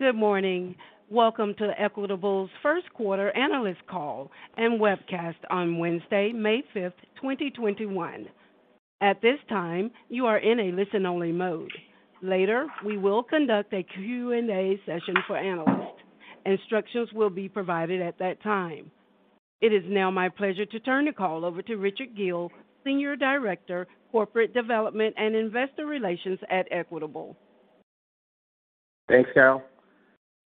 Good morning. Welcome to Equitable's first quarter analyst call and webcast on Wednesday, May 5th, 2021. At this time, you are in a listen-only mode. Later, we will conduct a Q&A session for analysts. Instructions will be provided at that time. It is now my pleasure to turn the call over to Richard Gill, Senior Director, Corporate Development and Investor Relations at Equitable. Thanks, Carol.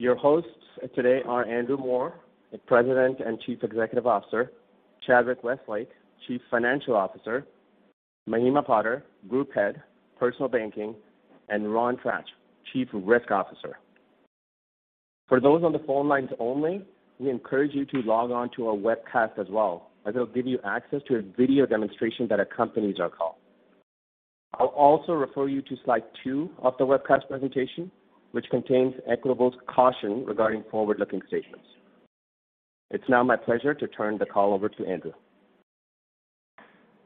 Your hosts today are Andrew Moor, the President and Chief Executive Officer, Chadwick Westlake, Chief Financial Officer, Mahima Poddar, Group Head, Personal Banking, and Ron Tratch, Chief Risk Officer. For those on the phone lines only, we encourage you to log on to our webcast as well, as it will give you access to a video demonstration that accompanies our call. I will also refer you to slide two of the webcast presentation, which contains Equitable's caution regarding forward-looking statements. It is now my pleasure to turn the call over to Andrew.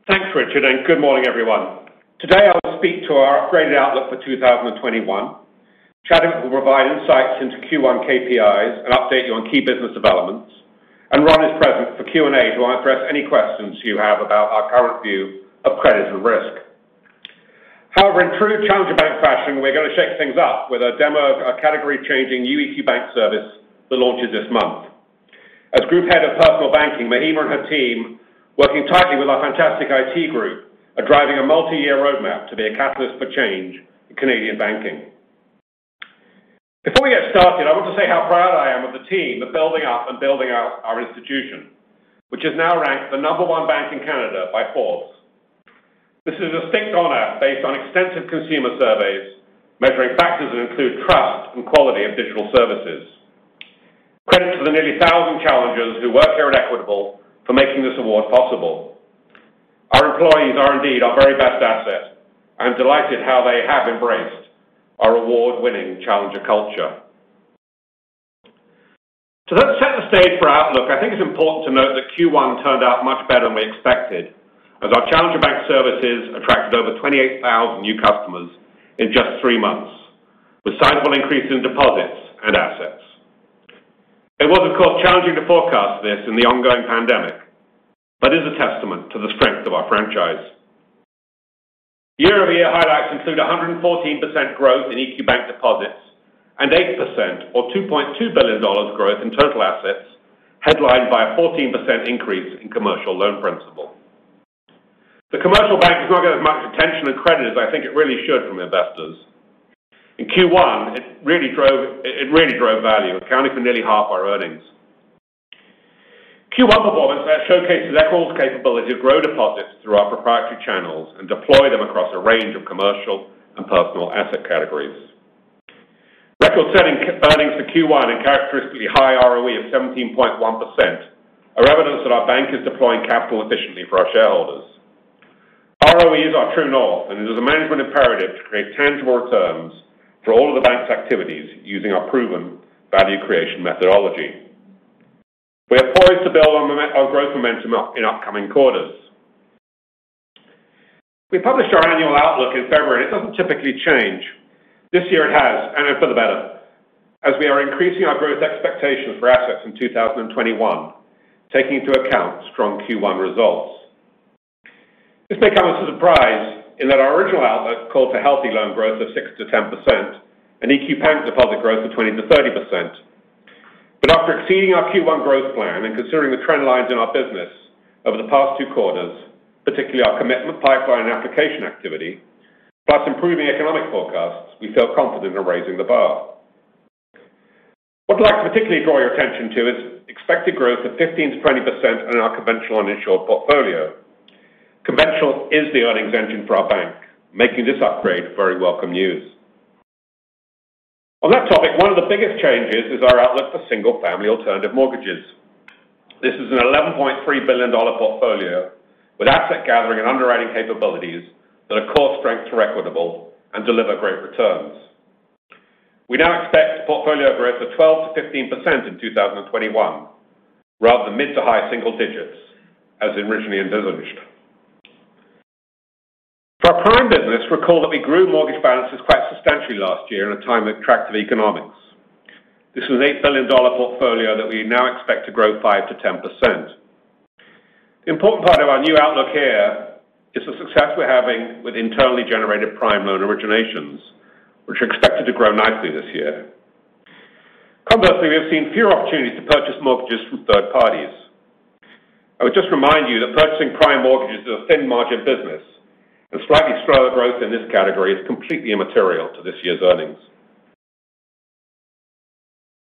Thanks, Richard. Good morning, everyone. Today, I will speak to our upgraded outlook for 2021. Chadwick will provide insights into Q1 KPIs and update you on key business developments, and Ron is present for Q&A to address any questions you have about our current view of credit and risk. However, in true Challenger Bank fashion, we're going to shake things up with a demo of our category-changing EQ Bank service that launches this month. As Group Head of Personal Banking, Mahima and her team, working tightly with our fantastic IT group, are driving a multi-year roadmap to be a catalyst for change in Canadian banking. Before we get started, I want to say how proud I am of the team for building up and building out our institution, which is now ranked the number one bank in Canada by Forbes. This is a distinct honor based on extensive consumer surveys measuring factors that include trust and quality of digital services. Credit to the nearly 1,000 Challengers who work here at Equitable for making this award possible. Our employees are indeed our very best asset. I am delighted how they have embraced our award-winning Challenger culture. To set the stage for our outlook, I think it's important to note that Q1 turned out much better than we expected, as our Challenger Bank services attracted over 28,000 new customers in just three months, with sizable increases in deposits and assets. It was, of course, challenging to forecast this in the ongoing pandemic, but is a testament to the strength of our franchise. Year-over-year highlights include 114% growth in EQ Bank deposits and 8%, or 2.2 billion dollars growth in total assets, headlined by a 14% increase in commercial loan principal. The commercial bank does not get as much attention and credit as I think it really should from investors. In Q1, it really drove value, accounting for nearly half our earnings. Q1 performance showcases Equitable's capability to grow deposits through our proprietary channels and deploy them across a range of commercial and personal asset categories. Record earnings for Q1 and characteristically high ROE of 17.1% are evidence that our bank is deploying capital efficiently for our shareholders. ROE is our true north, and it is a management imperative to create tangible returns for all of the bank's activities using our proven value creation methodology. We are poised to build on our growth momentum in upcoming quarters. We published our annual outlook in February. It doesn't typically change. This year it has, and for the better, as we are increasing our growth expectations for assets in 2021, taking into account strong Q1 results. This may come as a surprise in that our original outlook called for healthy loan growth of 6%-10% and EQ Bank deposit growth of 20%-30%. After exceeding our Q1 growth plan and considering the trend lines in our business over the past two quarters, particularly our commitment, pipeline, and application activity, plus improving economic forecasts, we feel confident in raising the bar. What I'd like to particularly draw your attention to is expected growth of 15%-20% in our conventional uninsured portfolio. Conventional is the earnings engine for our bank, making this upgrade very welcome news. On that topic, one of the biggest changes is our outlook for single-family alternative mortgages. This is an 11.3 billion dollar portfolio with asset gathering and underwriting capabilities that are core strengths for Equitable and deliver great returns. We now expect portfolio growth of 12%-15% in 2021, rather than mid to high single digits as originally envisaged. For our prime business, recall that we grew mortgage balances quite substantially last year in a time of attractive economics. This was an 8 billion dollar portfolio that we now expect to grow 5%-10%. The important part of our new outlook here is the success we're having with internally generated prime loan originations, which are expected to grow nicely this year. Conversely, we have seen fewer opportunities to purchase mortgages from third parties. I would just remind you that purchasing prime mortgages is a thin margin business, and slightly slower growth in this category is completely immaterial to this year's earnings.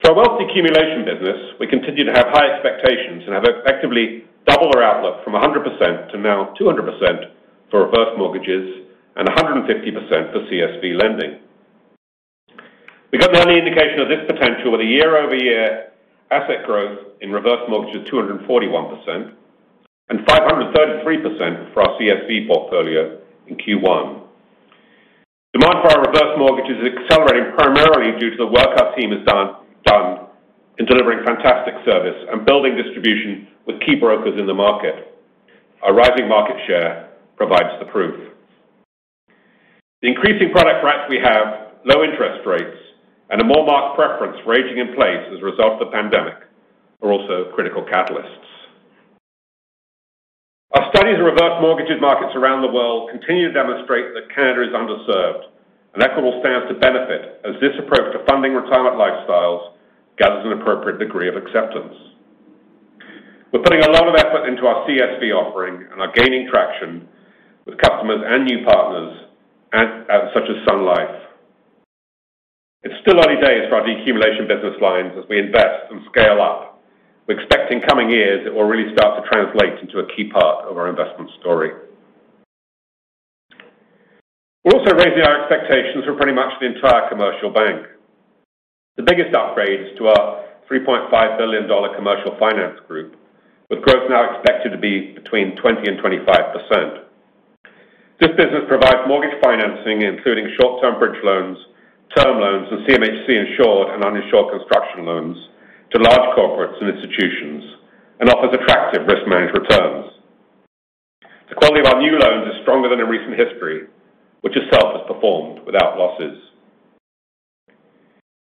For our wealth decumulation business, we continue to have high expectations and have effectively doubled our outlook from 100% to now 200% for reverse mortgages and 150% for CSV lending. We got an early indication of this potential with a year-over-year asset growth in reverse mortgages of 241% and 533% for our CSV portfolio in Q1. Demand for our reverse mortgages is accelerating primarily due to the work our team has done in delivering fantastic service and building distribution with key brokers in the market. Our rising market share provides the proof. The increasing product breadth we have, low interest rates, and a more marked preference for aging in place as a result of the pandemic are also critical catalysts. Our studies of reverse mortgages markets around the world continue to demonstrate that Canada is underserved, and Equitable stands to benefit as this approach to funding retirement lifestyles gathers an appropriate degree of acceptance. We're putting a lot of effort into our CSV offering and are gaining traction with customers and new partners such as Sun Life. It's still early days for our decumulation business lines as we invest and scale up. We expect in coming years, it will really start to translate into a key part of our investment story. We're also raising our expectations for pretty much the entire commercial bank. The biggest upgrade is to our 3.5 billion dollar Commercial Finance Group, with growth now expected to be between 20% and 25%. This business provides mortgage financing, including short-term bridge loans, term loans, and CMHC-insured and uninsured construction loans to large corporates and institutions, and offers attractive risk-managed returns. The quality of our new loans is stronger than in recent history, which itself has performed without losses.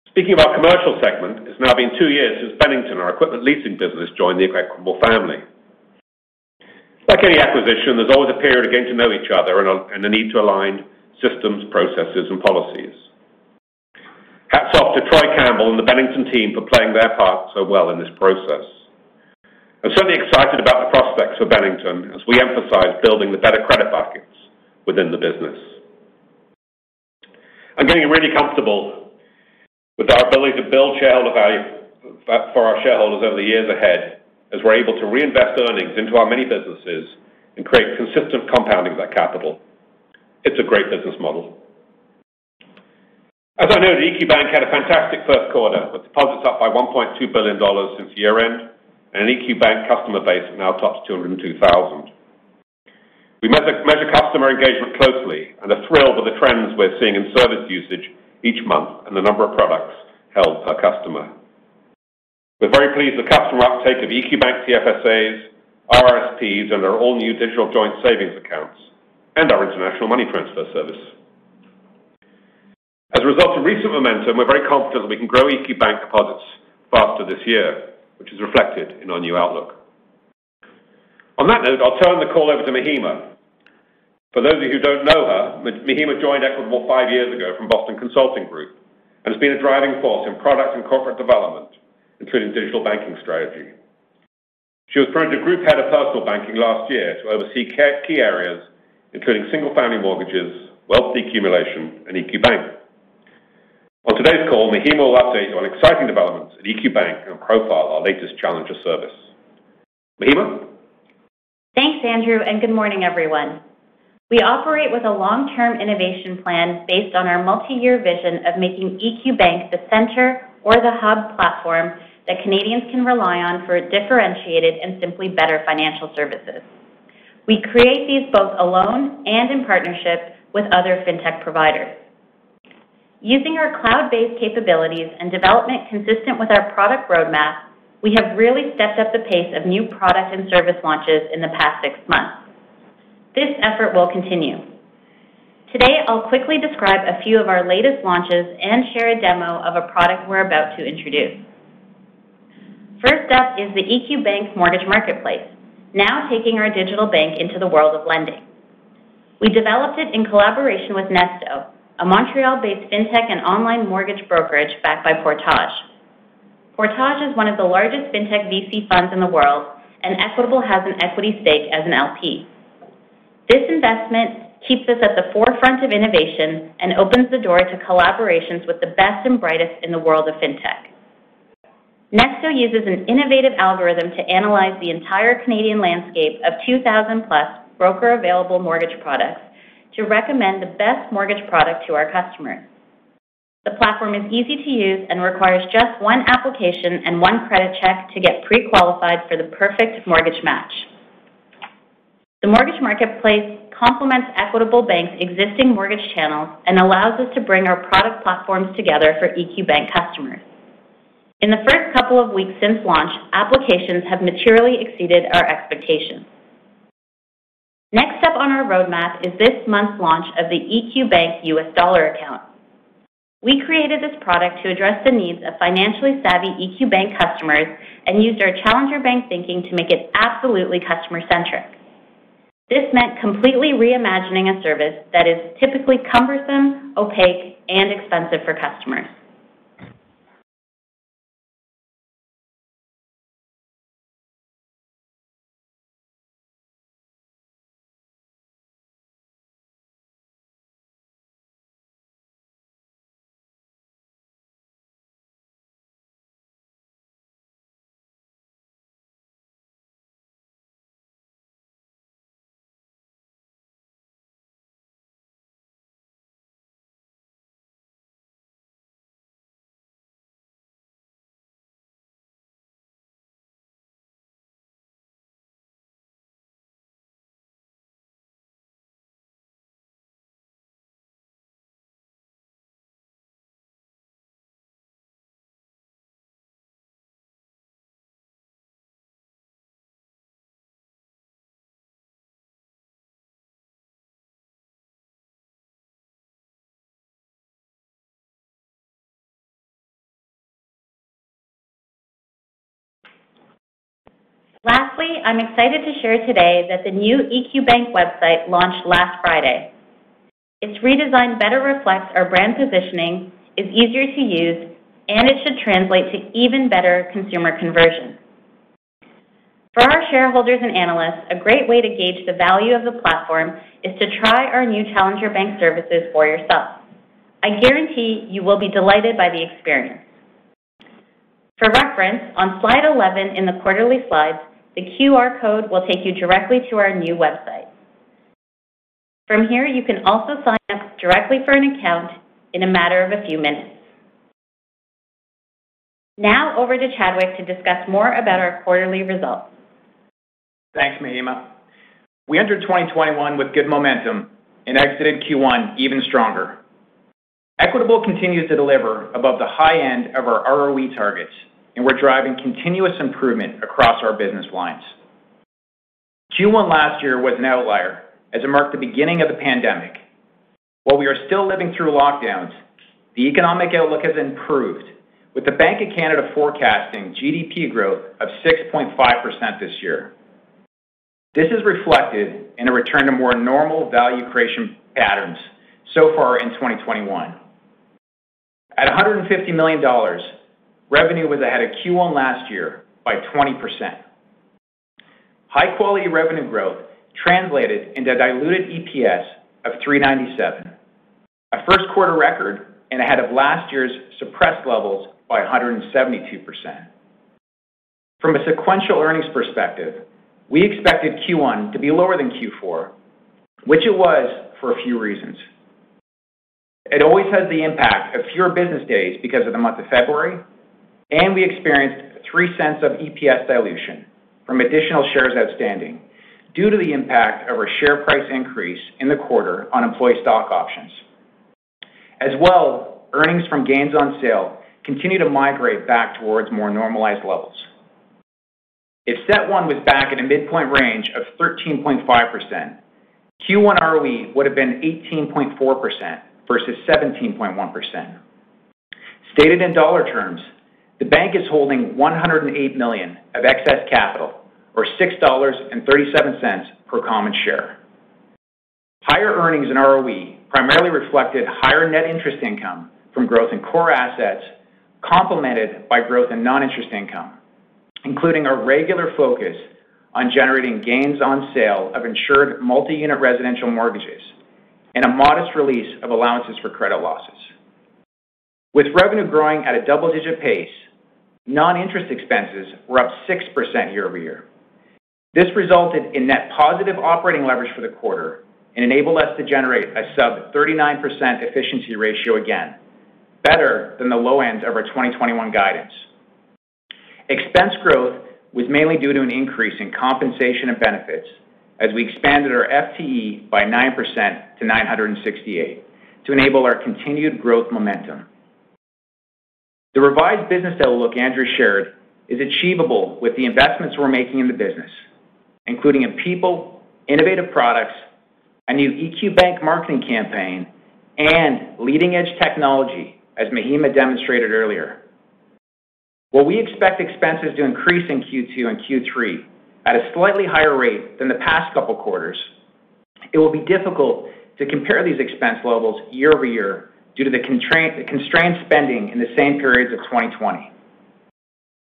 Speaking of our commercial segment, it's now been two years since Bennington, our equipment leasing business, joined the Equitable family. Like any acquisition, there's always a period of getting to know each other and a need to align systems, processes, and policies. Hats off to Troy Campbell and the Bennington team for playing their part so well in this process. I'm certainly excited about the prospects for Bennington as we emphasize building the better credit buckets within the business. I'm getting really comfortable with our ability to build for our shareholders over the years ahead, as we're able to reinvest earnings into our many businesses and create consistent compounding of that capital. It's a great business model. As I noted, EQ Bank had a fantastic first quarter with deposits up by 1.2 billion dollars since year-end and an EQ Bank customer base that now tops 202,000. We measure customer engagement closely and are thrilled with the trends we're seeing in service usage each month and the number of products held per customer. We're very pleased with customer uptake of EQ Bank TFSAs, RRSPs, and our all-new digital joint savings accounts, and our international money transfer service. As a result of recent momentum, we're very confident that we can grow EQ Bank deposits faster this year, which is reflected in our new outlook. On that note, I'll turn the call over to Mahima. For those of you who don't know her, Mahima joined Equitable five years ago from Boston Consulting Group and has been a driving force in product and corporate development, including digital banking strategy. She was promoted to Group Head of Personal Banking last year to oversee key areas including single-family mortgages, wealth decumulation, and EQ Bank. On today's call, Mahima will update you on exciting developments at EQ Bank and profile our latest challenger service. Mahima? Thanks, Andrew. Good morning, everyone. We operate with a long-term innovation plan based on our multi-year vision of making EQ Bank the center or the hub platform that Canadians can rely on for differentiated and simply better financial services. We create these both alone and in partnership with other fintech providers. Using our cloud-based capabilities and development consistent with our product roadmap, we have really stepped up the pace of new product and service launches in the past six months. This effort will continue. Today, I'll quickly describe a few of our latest launches and share a demo of a product we're about to introduce. First up is the EQ Bank Mortgage Marketplace, now taking our digital bank into the world of lending. We developed it in collaboration with nesto, a Montreal-based fintech and online mortgage brokerage backed by Portage. Portage is one of the largest fintech VC funds in the world, and Equitable has an equity stake as an LP. This investment keeps us at the forefront of innovation and opens the door to collaborations with the best and brightest in the world of fintech. Nesto uses an innovative algorithm to analyze the entire Canadian landscape of 2,000-plus broker-available mortgage products to recommend the best mortgage product to our customers. The platform is easy to use and requires just one application and one credit check to get pre-qualified for the perfect mortgage match. The Mortgage Marketplace complements Equitable Bank's existing mortgage channels and allows us to bring our product platforms together for EQ Bank customers. In the first couple of weeks since launch, applications have materially exceeded our expectations. Next up on our roadmap is this month's launch of the EQ Bank U.S. Dollar Account. We created this product to address the needs of financially savvy EQ Bank customers and used our Challenger Bank thinking to make it absolutely customer-centric. This meant completely reimagining a service that is typically cumbersome, opaque, and expensive for customers. Lastly, I'm excited to share today that the new EQ Bank website launched last Friday. Its redesign better reflects our brand positioning, is easier to use, and it should translate to even better consumer conversion. For our shareholders and analysts, a great way to gauge the value of the platform is to try our new Challenger Bank services for yourself. I guarantee you will be delighted by the experience. For reference, on slide 11 in the quarterly slides, the QR code will take you directly to our new website. From here, you can also sign up directly for an account in a matter of a few minutes. Now over to Chadwick to discuss more about our quarterly results. Thanks, Mahima. We entered 2021 with good momentum and exited Q1 even stronger. Equitable continues to deliver above the high end of our ROE targets, and we're driving continuous improvement across our business lines. Q1 last year was an outlier as it marked the beginning of the pandemic. While we are still living through lockdowns, the economic outlook has improved, with the Bank of Canada forecasting GDP growth of 6.5% this year. This is reflected in a return to more normal value creation patterns so far in 2021. At 150 million dollars, revenue was ahead of Q1 last year by 20%. High-quality revenue growth translated into a diluted EPS of 3.97, a first quarter record and ahead of last year's suppressed levels by 172%. From a sequential earnings perspective, we expected Q1 to be lower than Q4, which it was for a few reasons. It always has the impact of fewer business days because of the month of February, and we experienced 0.03 of EPS dilution from additional shares outstanding due to the impact of our share price increase in the quarter on employee stock options. As well, earnings from gains on sale continue to migrate back towards more normalized levels. If CET1 was back at a midpoint range of 13.5%, Q1 ROE would have been 18.4% versus 17.1%. Stated in dollar terms, the bank is holding 108 million of excess capital, or 6.37 dollars per common share. Higher earnings in ROE primarily reflected higher net interest income from growth in core assets, complemented by growth in non-interest income, including a regular focus on generating gains on sale of insured multi-unit residential mortgages and a modest release of allowances for credit losses. With revenue growing at a double-digit pace, non-interest expenses were up 6% year-over-year. This resulted in net positive operating leverage for the quarter and enabled us to generate a sub 39% efficiency ratio again, better than the low end of our 2021 guidance. Expense growth was mainly due to an increase in compensation and benefits as we expanded our FTE by 9% to 968 to enable our continued growth momentum. The revised business outlook Andrew shared is achievable with the investments we're making in the business, including in people, innovative products, a new EQ Bank marketing campaign, and leading-edge technology, as Mahima demonstrated earlier. While we expect expenses to increase in Q2 and Q3 at a slightly higher rate than the past couple quarters, it will be difficult to compare these expense levels year-over-year due to the constrained spending in the same periods of 2020.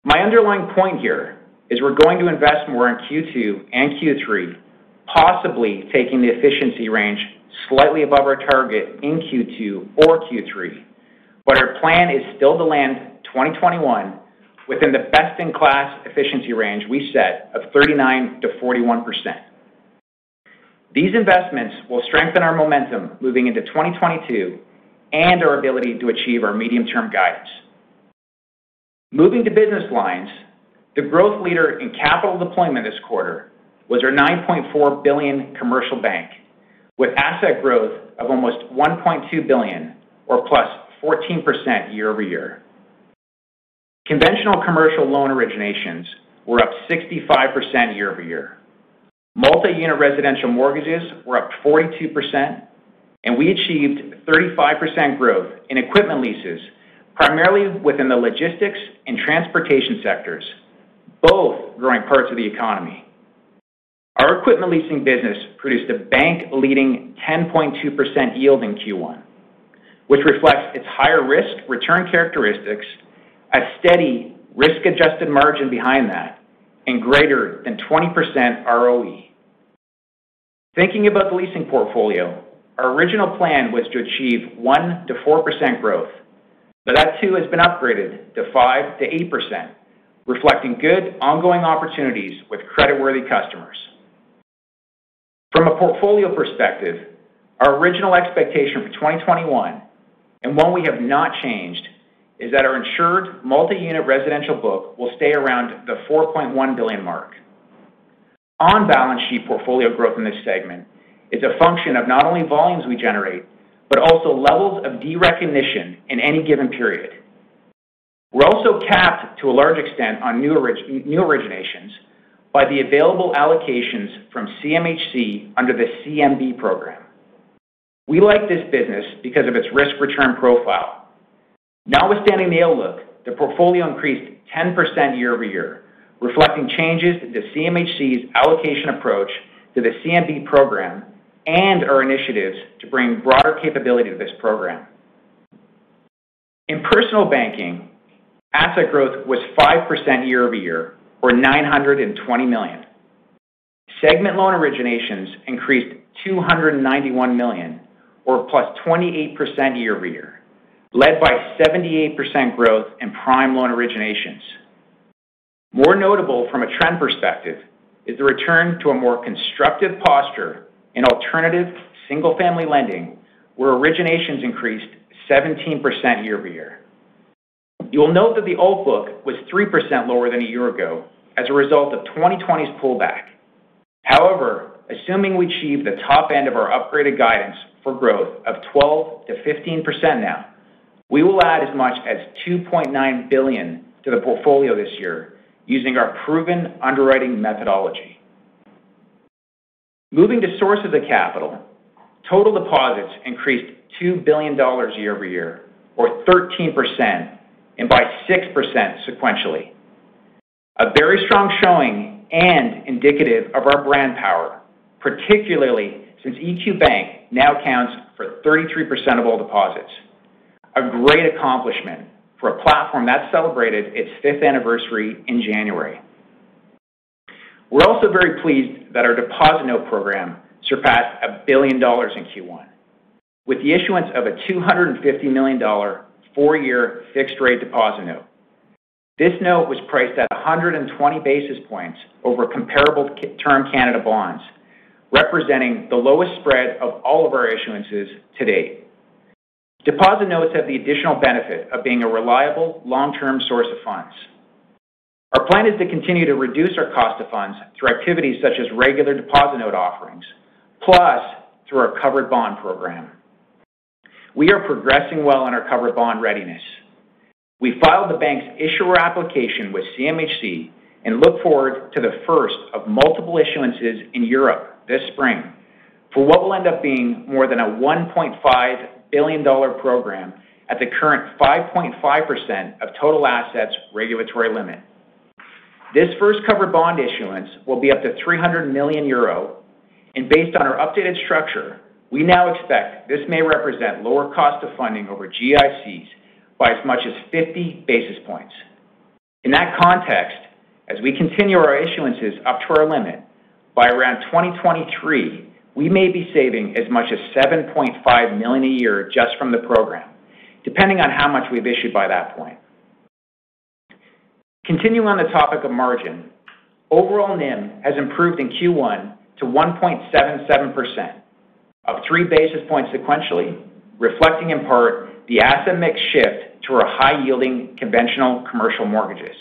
My underlying point here is we're going to invest more in Q2 and Q3, possibly taking the efficiency range slightly above our target in Q2 or Q3. Our plan is still to land 2021 within the best-in-class efficiency range we set of 39%-41%. These investments will strengthen our momentum moving into 2022 and our ability to achieve our medium-term guidance. Moving to business lines, the growth leader in capital deployment this quarter was our 9.4 billion commercial bank, with asset growth of almost 1.2 billion or +14% year-over-year. Conventional commercial loan originations were up 65% year-over-year. Multi-unit residential mortgages were up 42%, and we achieved 35% growth in equipment leases, primarily within the logistics and transportation sectors, both growing parts of the economy. Our equipment leasing business produced a bank-leading 10.2% yield in Q1, which reflects its higher risk-return characteristics, a steady risk-adjusted margin behind that, and greater than 20% ROE. Thinking about the leasing portfolio, our original plan was to achieve 1%-4% growth, That too has been upgraded to 5%-8%, reflecting good ongoing opportunities with creditworthy customers. From a portfolio perspective, our original expectation for 2021, and one we have not changed, is that our insured multi-unit residential book will stay around the 4.1 billion mark. On-balance sheet portfolio growth in this segment is a function of not only volumes we generate, but also levels of derecognition in any given period. We're also capped to a large extent on new originations by the available allocations from CMHC under the CMB program. We like this business because of its risk-return profile. Notwithstanding the outlook, the portfolio increased 10% year-over-year, reflecting changes to CMHC's allocation approach to the CMB program and our initiatives to bring broader capability to this program. In personal banking, asset growth was 5% year-over-year, or 920 million. Segment loan originations increased 291 million, or plus 28% year-over-year, led by 78% growth in prime loan originations. More notable from a trend perspective is the return to a more constructive posture in alternative single-family lending, where originations increased 17% year-over-year. You will note that the alt book was 3% lower than a year ago as a result of 2020's pullback. Assuming we achieve the top end of our upgraded guidance for growth of 12%-15% now, we will add as much as 2.9 billion to the portfolio this year using our proven underwriting methodology. Moving to sources of capital, total deposits increased 2 billion dollars year-over-year, or 13%, and by 6% sequentially. A very strong showing and indicative of our brand power, particularly since EQ Bank now accounts for 33% of all deposits. A great accomplishment for a platform that celebrated its fifth anniversary in January. We're also very pleased that our deposit note program surpassed 1 billion dollars in Q1 with the issuance of a 250 million dollar four-year fixed rate deposit note. This note was priced at 120 basis points over comparable term Canada bonds, representing the lowest spread of all of our issuances to date. Deposit notes have the additional benefit of being a reliable long-term source of funds. Our plan is to continue to reduce our cost of funds through activities such as regular deposit note offerings, plus through our covered bond program. We are progressing well on our covered bond readiness. We filed the bank's issuer application with CMHC and look forward to the first of multiple issuances in Europe this spring for what will end up being more than a 1.5 billion dollar program at the current 5.5% of total assets regulatory limit. This first covered bond issuance will be up to 300 million euro, and based on our updated structure, we now expect this may represent lower cost of funding over GICs by as much as 50 basis points. In that context, as we continue our issuances up to our limit, by around 2023, we may be saving as much as 7.5 million a year just from the program, depending on how much we've issued by that point. Continuing on the topic of margin, overall NIM has improved in Q1 to 1.77%, up 3 basis points sequentially, reflecting in part the asset mix shift to our high-yielding conventional commercial mortgages.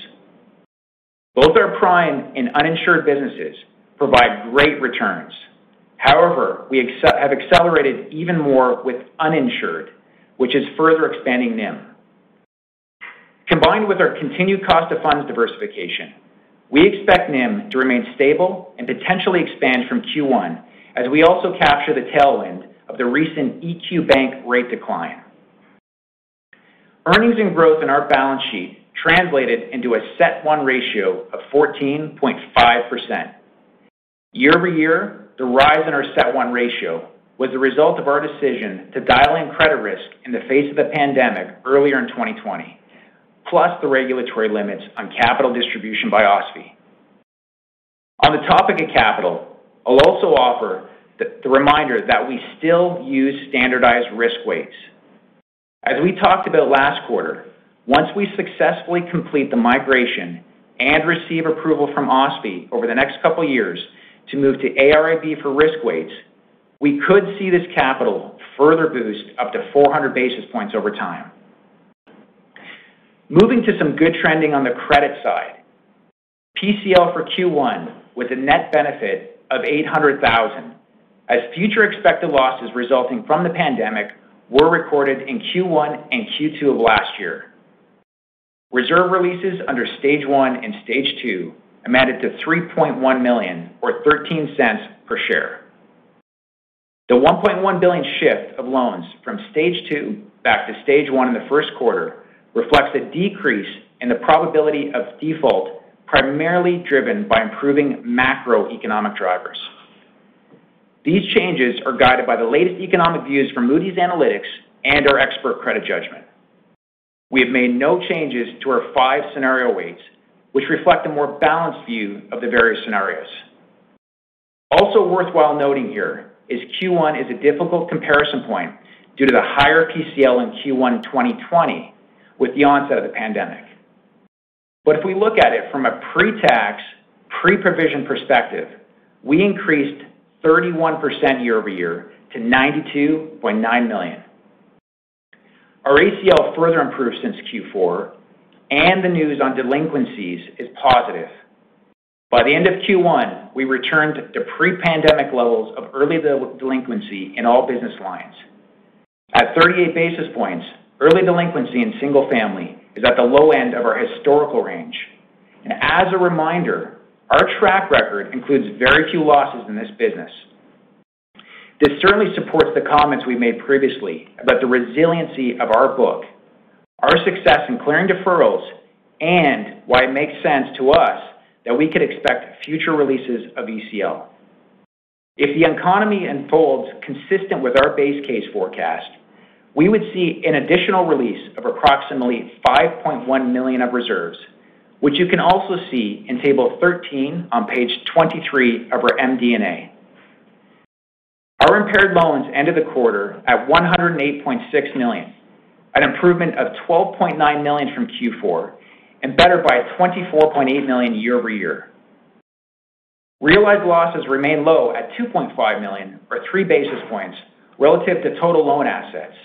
Both our prime and uninsured businesses provide great returns. However, we have accelerated even more with uninsured, which is further expanding NIM. Combined with our continued cost of funds diversification, we expect NIM to remain stable and potentially expand from Q1 as we also capture the tailwind of the recent EQ Bank rate decline. Earnings and growth in our balance sheet translated into a CET1 ratio of 14.5%. Year-over-year, the rise in our CET1 ratio was the result of our decision to dial in credit risk in the face of the pandemic earlier in 2020, plus the regulatory limits on capital distribution by OSFI. On the topic of capital, I will also offer the reminder that we still use standardized risk weights. As we talked about last quarter, once we successfully complete the migration and receive approval from OSFI over the next couple of years to move to AIRB for risk weights, we could see this capital further boost up to 400 basis points over time. Moving to some good trending on the credit side. PCL for Q1 was a net benefit of 800,000 as future expected losses resulting from the pandemic were recorded in Q1 and Q2 of last year. Reserve releases under Stage 1 and Stage 2 amounted to 3.1 million or 0.13 per share. The 1.1 billion shift of loans from Stage 2 back to Stage 1 in the first quarter reflects a decrease in the probability of default, primarily driven by improving macroeconomic drivers. These changes are guided by the latest economic views from Moody's Analytics and our expert credit judgment. We have made no changes to our five scenario weights, which reflect a more balanced view of the various scenarios. Also worthwhile noting here is Q1 is a difficult comparison point due to the higher PCL in Q1 2020 with the onset of the pandemic. If we look at it from a pre-tax, pre-provision perspective, we increased 31% year-over-year to 92.9 million. Our ACL further improved since Q4, and the news on delinquencies is positive. By the end of Q1, we returned to pre-pandemic levels of early delinquency in all business lines. At 38 basis points, early delinquency in single family is at the low end of our historical range. As a reminder, our track record includes very few losses in this business. This certainly supports the comments we made previously about the resiliency of our book, our success in clearing deferrals, and why it makes sense to us that we could expect future releases of ECL. If the economy unfolds consistent with our base case forecast, we would see an additional release of approximately 5.1 million of reserves, which you can also see in Table 13 on page 23 of our MD&A. Our impaired loans ended the quarter at 108.6 million, an improvement of 12.9 million from Q4, and better by 24.8 million year-over-year. Realized losses remain low at 2.5 million, or three basis points relative to total loan assets.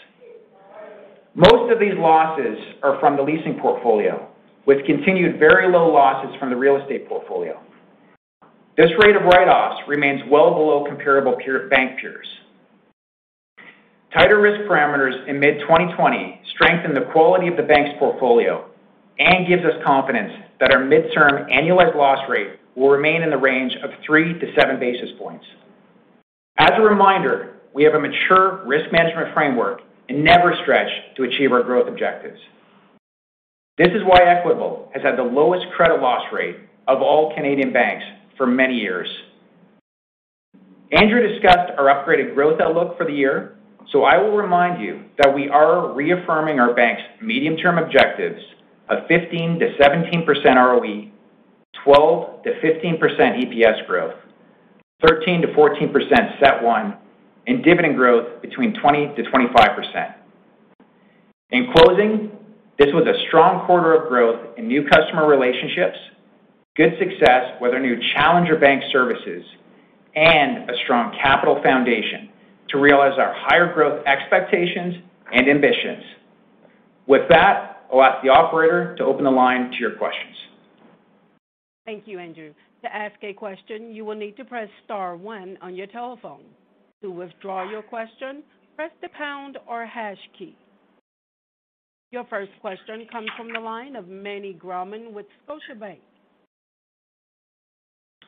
Most of these losses are from the leasing portfolio, with continued very low losses from the real estate portfolio. This rate of write-offs remains well below comparable bank peers. Tighter risk parameters in mid-2020 strengthen the quality of the bank's portfolio and gives us confidence that our midterm annualized loss rate will remain in the range of three to seven basis points. As a reminder, we have a mature risk management framework and never stretch to achieve our growth objectives. This is why Equitable has had the lowest credit loss rate of all Canadian banks for many years. Andrew discussed our upgraded growth outlook for the year, so I will remind you that we are reaffirming our bank's medium-term objectives of 15%-17% ROE, 12%-15% EPS growth, 13%-14% CET1, and dividend growth between 20%-25%. In closing, this was a strong quarter of growth in new customer relationships, good success with our new Challenger Bank services, and a strong capital foundation to realize our higher growth expectations and ambitions. With that, I'll ask the operator to open the line to your questions. Thank you, Andrew. To ask a question, you will need to press star one on your telephone. To withdraw your question, press the pound or hash key. Your first question comes from the line of Meny Grauman with Scotiabank.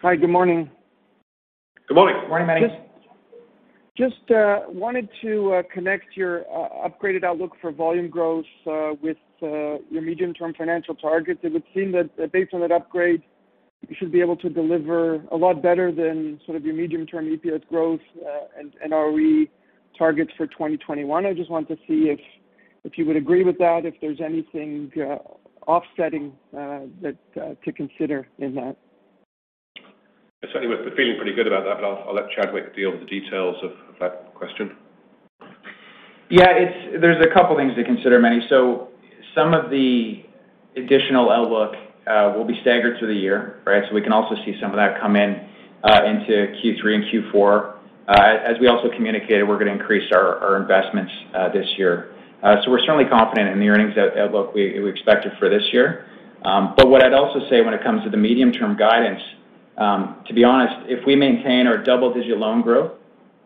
Hi, good morning. Good morning. Morning, Meny. Just wanted to connect your upgraded outlook for volume growth with your medium-term financial targets. It would seem that based on that upgrade, you should be able to deliver a lot better than sort of your medium-term EPS growth and ROE targets for 2021. I just wanted to see if you would agree with that, if there's anything offsetting to consider in that. I certainly was feeling pretty good about that, but I'll let Chadwick deal with the details of that question. Yeah, there's a couple things to consider, Meny. Some of the additional outlook will be staggered through the year, right? We can also see some of that come in into Q3 and Q4. As we also communicated, we're going to increase our investments this year. We're certainly confident in the earnings outlook we expected for this year. What I'd also say when it comes to the medium-term guidance, to be honest, if we maintain our double-digit loan growth,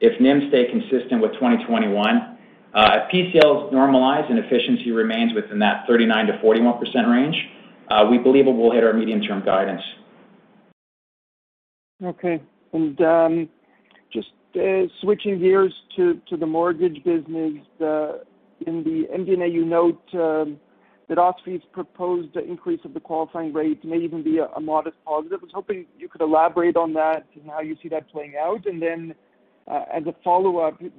if NIM stay consistent with 2021, if PCLs normalize and efficiency remains within that 39%-41% range, we believe that we'll hit our medium-term guidance. Okay. Just switching gears to the mortgage business. In the MD&A, you note that OSFI's proposed increase of the qualifying rates may even be a modest positive. I was hoping you could elaborate on that and how you see that playing out. Then as a follow-up, do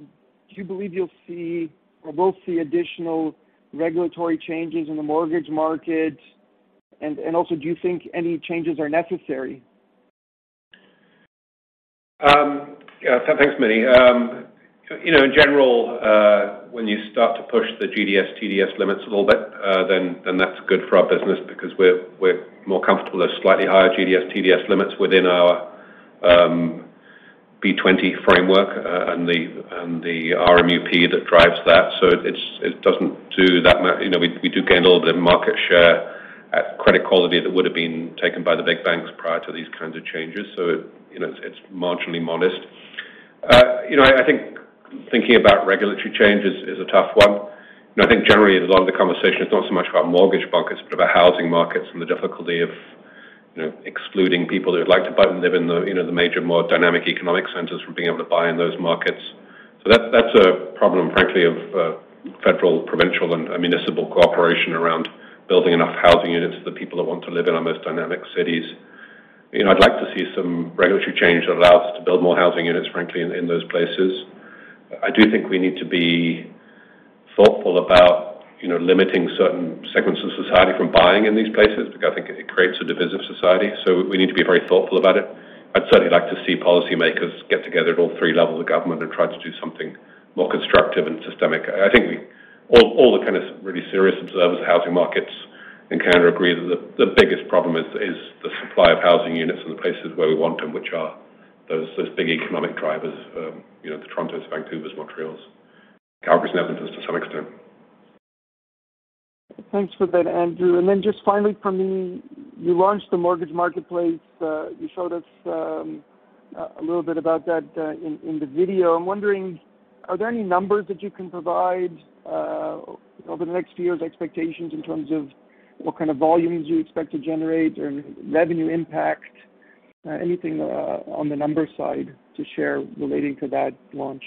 you believe you'll see or will see additional regulatory changes in the mortgage market? Also, do you think any changes are necessary? Yeah. Thanks, Meny. In general, when you start to push the GDS/TDS limits a little bit, then that's good for our business because we're more comfortable with slightly higher GDS/TDS limits within our B20 framework and the RMUP that drives that. It doesn't do that much. We do gain a little bit of market share at credit quality that would have been taken by the big banks prior to these kinds of changes. It's marginally modest. I think thinking about regulatory change is a tough one, and I think generally a lot of the conversation is not so much about mortgage brokers, but about housing markets and the difficulty of excluding people who would like to live in the major, more dynamic economic centers from being able to buy in those markets. That's a problem, frankly, of federal, provincial, and municipal cooperation around building enough housing units for the people that want to live in our most dynamic cities. I'd like to see some regulatory change that allows us to build more housing units, frankly, in those places. I do think we need to be thoughtful about limiting certain segments of society from buying in these places because I think it creates a divisive society. We need to be very thoughtful about it. I'd certainly like to see policymakers get together at all three levels of government and try to do something more constructive and systemic. I think all the kind of really serious observers of housing markets. Canada agrees that the biggest problem is the supply of housing units in the places where we want them, which are those big economic drivers, the Torontos, Vancouvers, Montreals, Calgaries, and Edmontons to some extent. Thanks for that, Andrew. Just finally from me, you launched the EQ Bank Mortgage Marketplace. You showed us a little bit about that in the video. I'm wondering, are there any numbers that you can provide over the next few years, expectations in terms of what kind of volumes you expect to generate or revenue impact? Anything on the numbers side to share relating to that launch?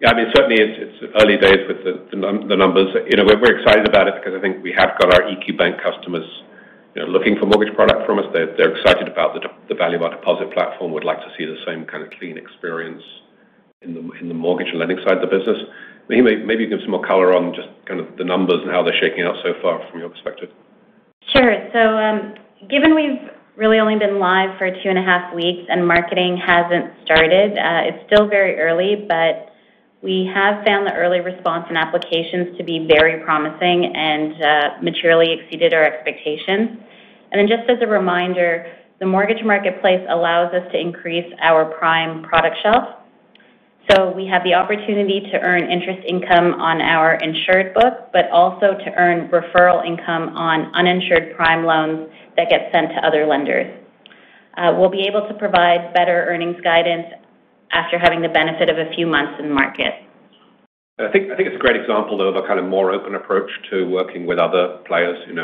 Yeah. Certainly it's early days with the numbers. We're excited about it because I think we have got our EQ Bank customers looking for mortgage product from us. They're excited about the value of our deposit platform, would like to see the same kind of clean experience in the mortgage lending side of the business. Mahima, maybe you can give some more color on just kind of the numbers and how they're shaking out so far from your perspective. Given we've really only been live for two and a half weeks and marketing hasn't started, it's still very early, but we have found the early response and applications to be very promising and materially exceeded our expectations. Just as a reminder, the Mortgage Marketplace allows us to increase our prime product shelf. We have the opportunity to earn interest income on our insured book, but also to earn referral income on uninsured prime loans that get sent to other lenders. We'll be able to provide better earnings guidance after having the benefit of a few months in market. I think it's a great example, though, of a kind of more open approach to working with other players. Being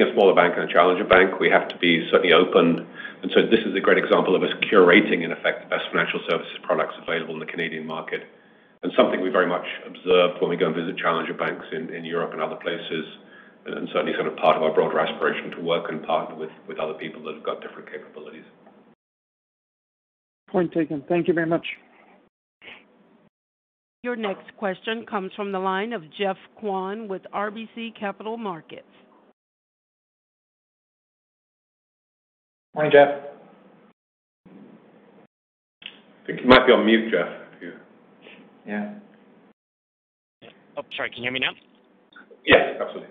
a smaller bank and a Challenger Bank, we have to be certainly open. So this is a great example of us curating, in effect, the best financial services products available in the Canadian market. Something we very much observed when we go and visit Challenger Banks in Europe and other places, and certainly part of our broader aspiration to work and partner with other people that have got different capabilities. Point taken. Thank you very much. Your next question comes from the line of Geoff Kwan with RBC Capital Markets. Morning, Geoff. I think you might be on mute, Geoff. Oh, sorry. Can you hear me now? Yes, absolutely.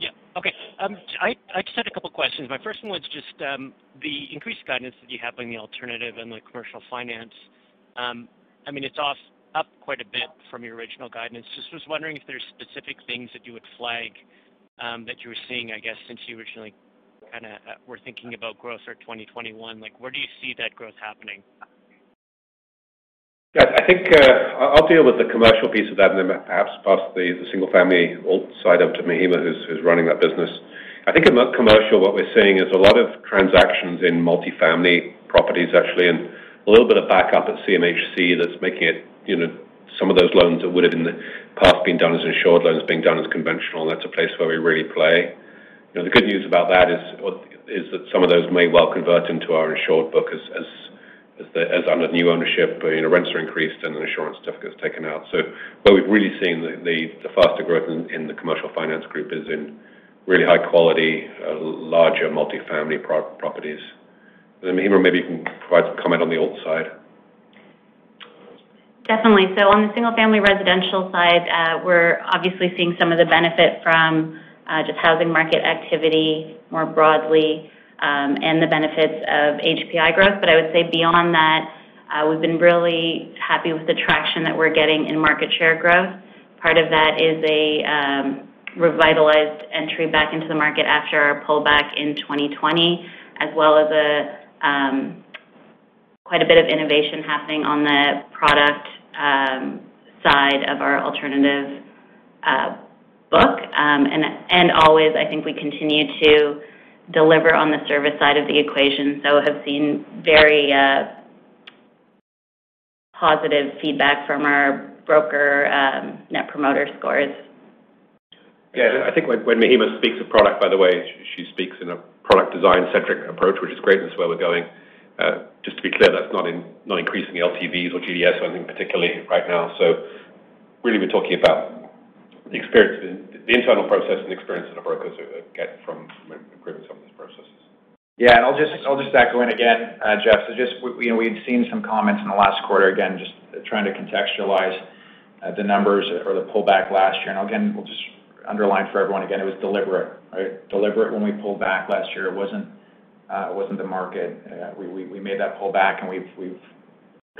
Yeah. Okay. I just had a couple questions. My first one was just the increased guidance that you have on the alternative and the Commercial Finance. It is up quite a bit from your original guidance. Just was wondering if there is specific things that you would flag that you were seeing, I guess, since you originally were thinking about growth for 2021. Where do you see that growth happening? I think I'll deal with the commercial piece of that and then perhaps pass the single-family alt side over to Mahima, who's running that business. I think in commercial, what we're seeing is a lot of transactions in multi-family properties, actually, and a little bit of backup at CMHC that's making it some of those loans that would have in the past been done as insured loans being done as conventional, and that's a place where we really play. The good news about that is that some of those may well convert into our insured book as under new ownership, rents are increased, and the insurance certificate is taken out. Where we've really seen the faster growth in the Commercial Finance Group is in really high-quality, larger multi-family properties. Mahima, maybe you can provide some comment on the alt side. Definitely. On the single-family residential side, we're obviously seeing some of the benefit from just housing market activity more broadly and the benefits of HPI growth. I would say beyond that, we've been really happy with the traction that we're getting in market share growth. Part of that is a revitalized entry back into the market after our pullback in 2020, as well as quite a bit of innovation happening on the product side of our alternative book. Always, I think we continue to deliver on the service side of the equation, so have seen very positive feedback from our broker Net Promoter scores. Yeah. I think when Mahima speaks of product, by the way, she speaks in a product design-centric approach, which is great, and that's where we're going. Just to be clear, that's not increasing LTVs or GDS or anything particularly right now. Really we're talking about the internal process and experience that our brokers get from improvements on these processes. Yeah, I'll just tack going again, Geoff. Just we had seen some comments in the last quarter, again, just trying to contextualize the numbers for the pullback last year. Again, we'll just underline for everyone again, it was deliberate. Right? Deliberate when we pulled back last year. It wasn't the market. We made that pullback, and we've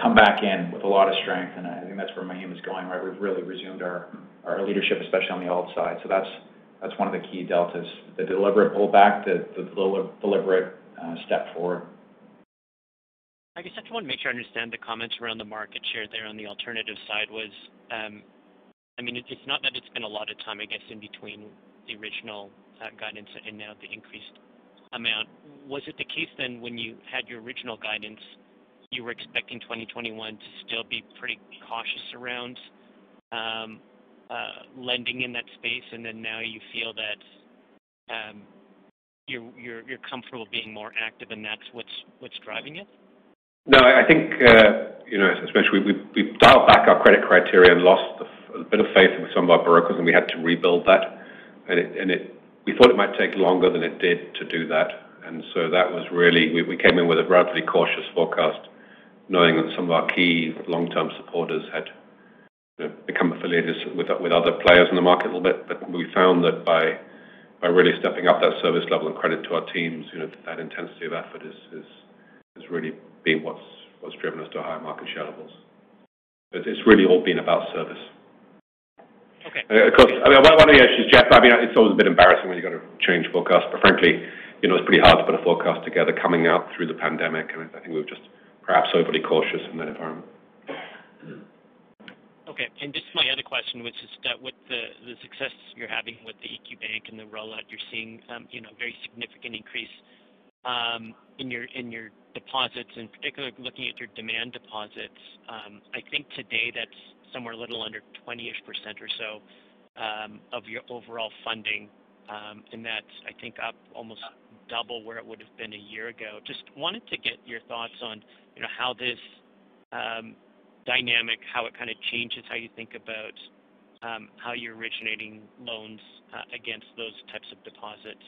come back in with a lot of strength, and I think that's where Mahima's going, right? We've really resumed our leadership, especially on the alt side. That's one of the key deltas, the deliberate pullback, the deliberate step forward. I guess I just want to make sure I understand the comments around the market share there on the alternative side. It's not that it's been a lot of time, I guess, in between the original guidance and now the increased amount. Was it the case then when you had your original guidance, you were expecting 2021 to still be pretty cautious around lending in that space, and then now you feel that you're comfortable being more active and that's what's driving it? No, I think especially we've dialed back our credit criteria and lost a bit of faith in some of our brokers, and we had to rebuild that. We thought it might take longer than it did to do that. That was really we came in with a relatively cautious forecast knowing that some of our key long-term supporters had become affiliated with other players in the market a little bit. We found that by really stepping up that service level and credit to our teams, that intensity of effort has really been what's driven us to higher market share levels. It's really all been about service. Okay. Of course. One of the issues, Geoff, it's always a bit embarrassing when you've got to change forecasts, but frankly, it's pretty hard to put a forecast together coming out through the pandemic. I think we were just perhaps overly cautious in that environment. Okay. This is my other question, which is that with the success you're having with the EQ Bank and the rollout, you're seeing very significant increase in your deposits, and particularly looking at your demand deposits. I think today that's somewhere a little under 20-ish% or so of your overall funding. That's, I think, up almost double where it would've been a year ago. Just wanted to get your thoughts on how this dynamic, how it kind of changes how you think about how you're originating loans against those types of deposits,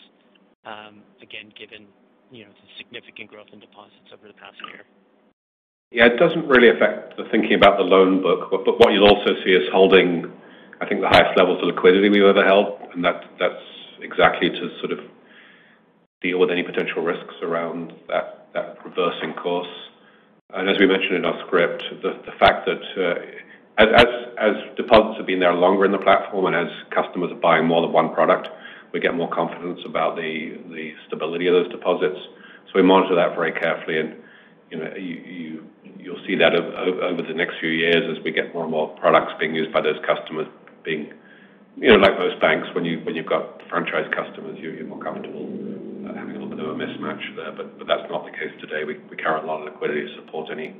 again, given the significant growth in deposits over the past year. Yeah, it doesn't really affect the thinking about the loan book. What you'll also see us holding, I think, the highest levels of liquidity we've ever held, and that's exactly to sort of deal with any potential risks around that reversing course. As we mentioned in our script, the fact that as deposits have been there longer in the platform and as customers are buying more than one product, we get more confidence about the stability of those deposits. We monitor that very carefully, and you'll see that over the next few years as we get more and more products being used by those customers being like most banks, when you've got franchise customers, you're more comfortable having a little bit of a mismatch there. That's not the case today. We carry a lot of liquidity to support any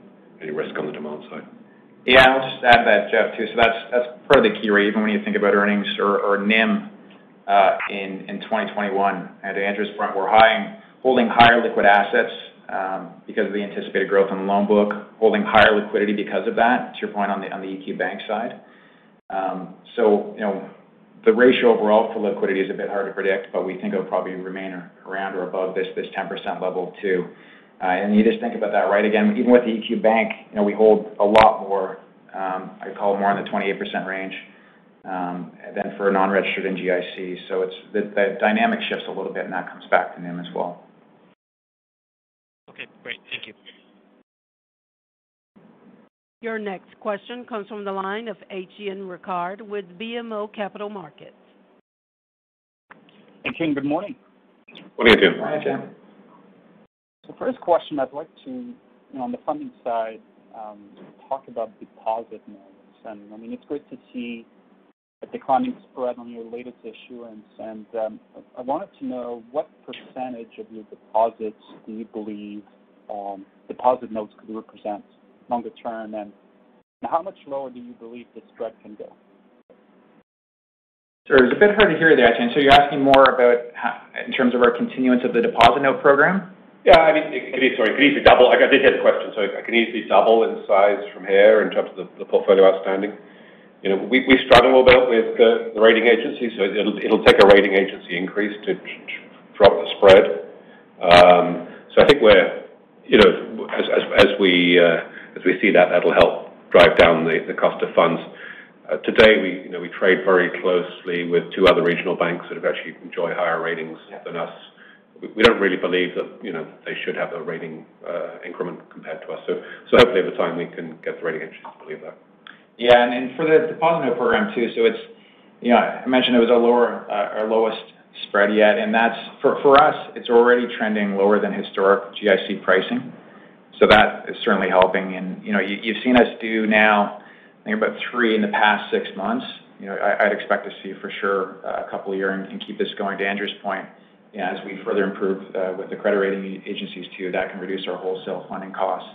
risk on the demand side. Yeah, I'll just add that, Geoff, too. That's part of the key really, even when you think about earnings or NIM in 2021. To Andrew's point, we're holding higher liquid assets because of the anticipated growth in the loan book, holding higher liquidity because of that, to your point on the EQ Bank side. The ratio overall for liquidity is a bit hard to predict, but we think it'll probably remain around or above this 10% level, too. You just think about that, right again, even with the EQ Bank, we hold a lot more, I'd call it more in the 28% range, than for non-registered in GIC. That dynamic shifts a little bit, and that comes back to NIM as well. Okay, great. Thank you. Your next question comes from the line of Etienne Ricard with BMO Capital Markets. Etienne, good morning. Morning, Etienne. Morning, Etienne. First question, I'd like to, on the funding side, talk about deposit notes. It's great to see a declining spread on your latest issuance, and I wanted to know what % of your deposits do you believe deposit notes could represent longer term, and how much lower do you believe the spread can go? Sir, it's a bit hard to hear there, Etienne. You're asking more about in terms of our continuance of the deposit note program? Yeah, it could easily double. I did hear the question. It could easily double in size from here in terms of the portfolio outstanding. We struggle a little bit with the rating agencies, it'll take a rating agency increase to drop the spread. I think as we see that'll help drive down the cost of funds. Today, we trade very closely with two other regional banks that have actually enjoy higher ratings than us. We don't really believe that they should have the rating increment compared to us. Hopefully over time, we can get the rating agencies to believe that. Yeah, for the deposit note program too, I mentioned it was our lowest spread yet, and that's, for us, it's already trending lower than historic GIC pricing. That is certainly helping. You've seen us do now, I think about three in the past six months. I'd expect to see for sure a couple a year and keep this going. To Andrew's point, as we further improve with the credit rating agencies too, that can reduce our wholesale funding costs.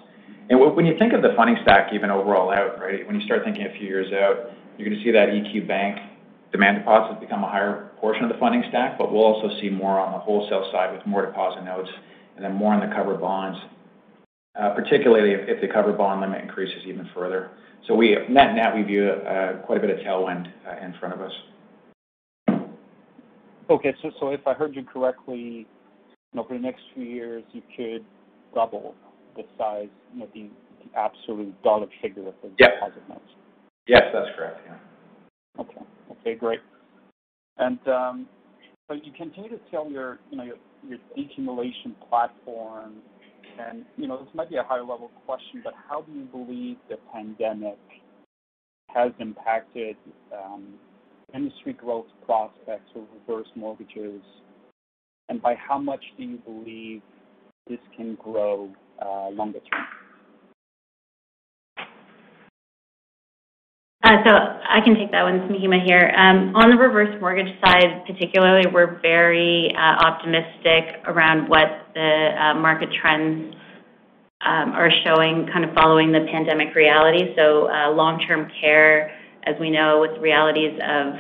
When you think of the funding stack even overall out, when you start thinking a few years out, you're going to see that EQ Bank demand deposits become a higher portion of the funding stack, but we'll also see more on the wholesale side with more deposit notes and then more on the cover bonds, particularly if the cover bond limit increases even further. Net, we view quite a bit of tailwind in front of us. Okay. If I heard you correctly, over the next few years, you could double the size, the absolute dollar figure for deposit notes. Yes, that's correct. Yeah. Okay. Great. You continue to tell your accumulation platform, and this might be a high-level question, but how do you believe the pandemic has impacted industry growth prospects or reverse mortgages, and by how much do you believe this can grow longer term? I can take that one. It's Mahima here. On the reverse mortgage side particularly, we're very optimistic around what the market trends are showing kind of following the pandemic reality. Long-term care, as we know, with realities of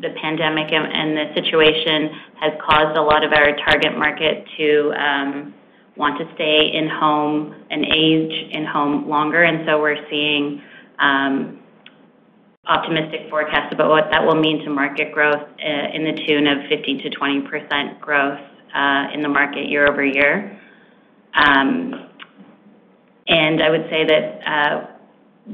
the pandemic and the situation has caused a lot of our target market to want to stay in home and age in home longer. We're seeing optimistic forecasts about what that will mean to market growth in the tune of 15%-20% growth in the market year over year. I would say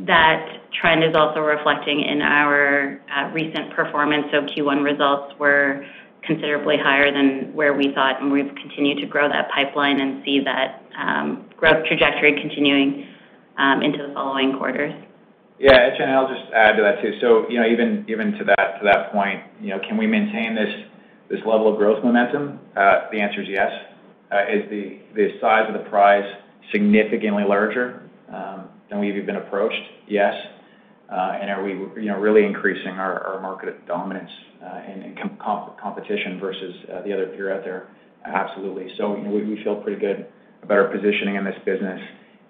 that trend is also reflecting in our recent performance. Q1 results were considerably higher than where we thought, and we've continued to grow that pipeline and see that growth trajectory continuing into the following quarters. Yeah. I'll just add to that too. Even to that point, can we maintain this level of growth momentum? The answer is yes. Is the size of the prize significantly larger than we've even been approached? Yes. Are we really increasing our market dominance and competition versus the other peer out there? Absolutely. We feel pretty good about our positioning in this business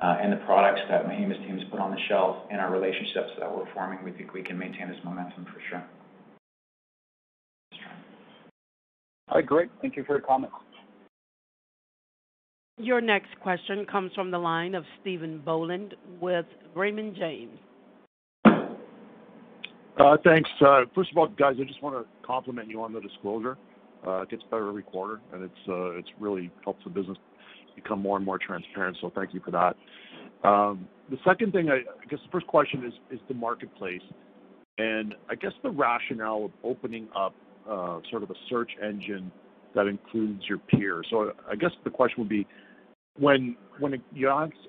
and the products that Mahima's team has put on the shelf, and our relationships that we're forming. We think we can maintain this momentum for sure. Sure. All right, great. Thank you for your comments. Your next question comes from the line of Stephen Boland with Raymond James. Thanks. First of all, guys, I just want to compliment you on the disclosure. It gets better every quarter, and it really helps the business become more and more transparent. Thank you for that. The second thing, I guess the first question is the marketplace, and I guess the rationale of opening up sort of a search engine that includes your peers. I guess the question would be, when someone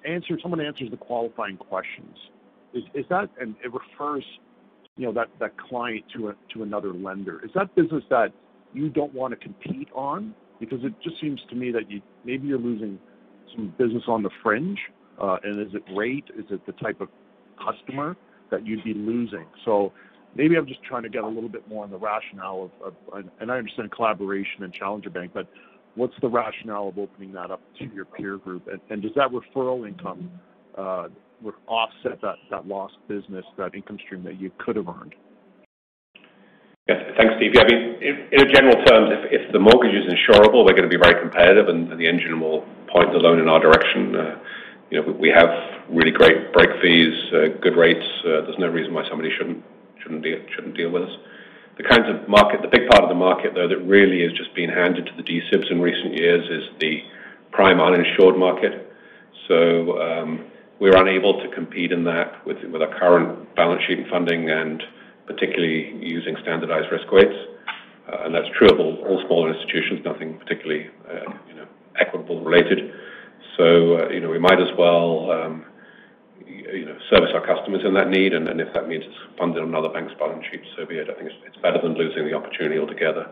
answers the qualifying questions, and it refers that client to another lender, is that business that you don't want to compete on? Because it just seems to me that maybe you're losing some business on the fringe. Is it rate? Is it the type of customer that you'd be losing? Maybe I'm just trying to get a little bit more on the rationale of and I understand collaboration and Challenger Bank, but what's the rationale of opening that up to your peer group? Does that referral income would offset that lost business, that income stream that you could have earned? Yes. Thanks, Steve. In general terms, if the mortgage is insurable, we're going to be very competitive, and the engine will point the loan in our direction. We have really great break fees, good rates. There's no reason why somebody shouldn't deal with us. The big part of the market, though, that really has just been handed to the G-SIBs in recent years is the prime uninsured market. We're unable to compete in that with our current balance sheet funding, and particularly using standardized risk weights. That's true of all smaller institutions, nothing particularly Equitable related. We might as well service our customers in that need, and if that means it's funded on another bank's balance sheet, so be it. I think it's better than losing the opportunity altogether.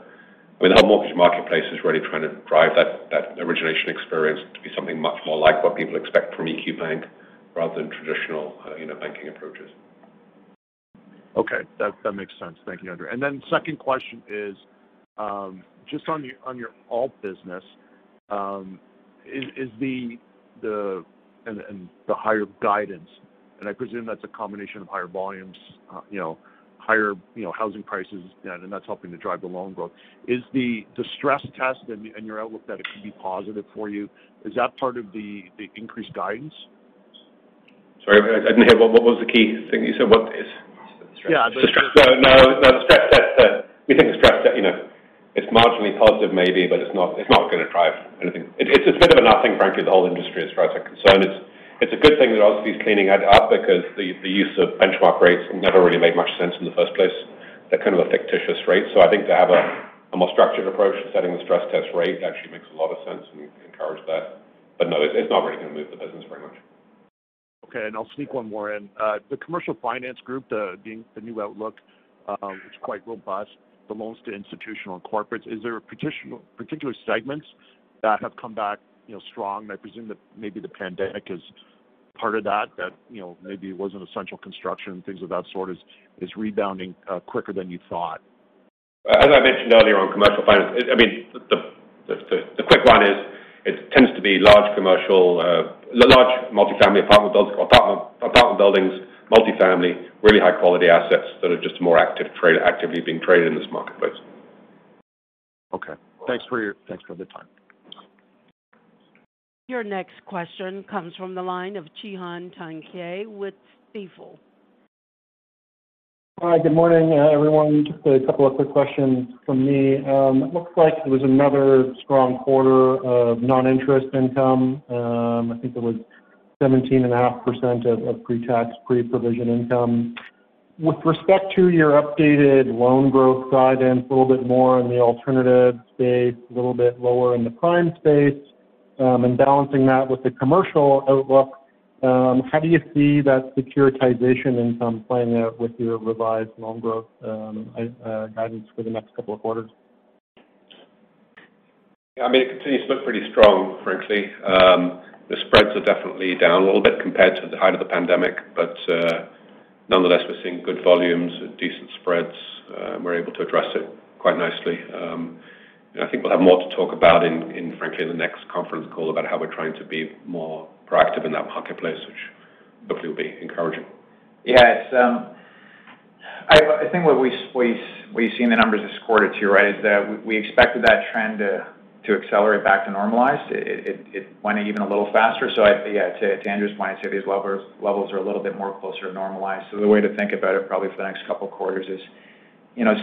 Our mortgage marketplace is really trying to drive that origination experience to be something much more like what people expect from EQ Bank rather than traditional banking approaches. Okay. That makes sense. Thank you, Andrew. Second question is just on your alt business and the higher guidance, and I presume that's a combination of higher volumes, higher housing prices, and that's helping to drive the loan growth. Is the stress test and your outlook that it can be positive for you, is that part of the increased guidance? Sorry, I didn't hear. What was the key thing you said? The stress test. The stress test. No, the stress test, we think the stress test, it's marginally positive maybe, but it's not going to drive anything. It's a bit of a nothing, frankly. The whole industry is rather concerned. It's a good thing that OSFI is cleaning it up because the use of benchmark rates never really made much sense in the first place. They're kind of a fictitious rate. I think to have a more structured approach to setting the stress test rate actually makes a lot of sense, and we encourage that. No, it's not really going to move the business very much. Okay. I'll sneak one more in. The Commercial Finance Group, the new outlook, it's quite robust. The loans to institutional corporates. Is there particular segments that have come back strong? I presume that maybe the pandemic is part of that maybe it wasn't essential construction and things of that sort is rebounding quicker than you thought. As I mentioned earlier on Commercial Finance, the quick one is it tends to be large commercial, large multifamily apartment buildings, multifamily, really high-quality assets that are just more actively being traded in this marketplace. Okay. Thanks for the time. Your next question comes from the line of Cihan Tuncay with Stifel. Hi. Good morning, everyone. Just a couple of quick questions from me. It looks like it was another strong quarter of non-interest income. I think it was 17.5% of pre-tax, pre-provision income. With respect to your updated loan growth guidance, a little bit more on the alternative space, a little bit lower in the prime space, and balancing that with the commercial outlook, how do you see that securitization income playing out with your revised loan growth guidance for the next couple of quarters? It continues to look pretty strong, frankly. Nonetheless, we're seeing good volumes at decent spreads. We're able to address it quite nicely. I think we'll have more to talk about in, frankly, the next conference call about how we're trying to be more proactive in that marketplace, which hopefully will be encouraging. Yeah. I think what we've seen the numbers this quarter too, right, is that we expected that trend to accelerate back to normalized. It went even a little faster. Yeah, to Andrew's point, I'd say these levels are a little bit more closer to normalized. The way to think about it probably for the next couple of quarters is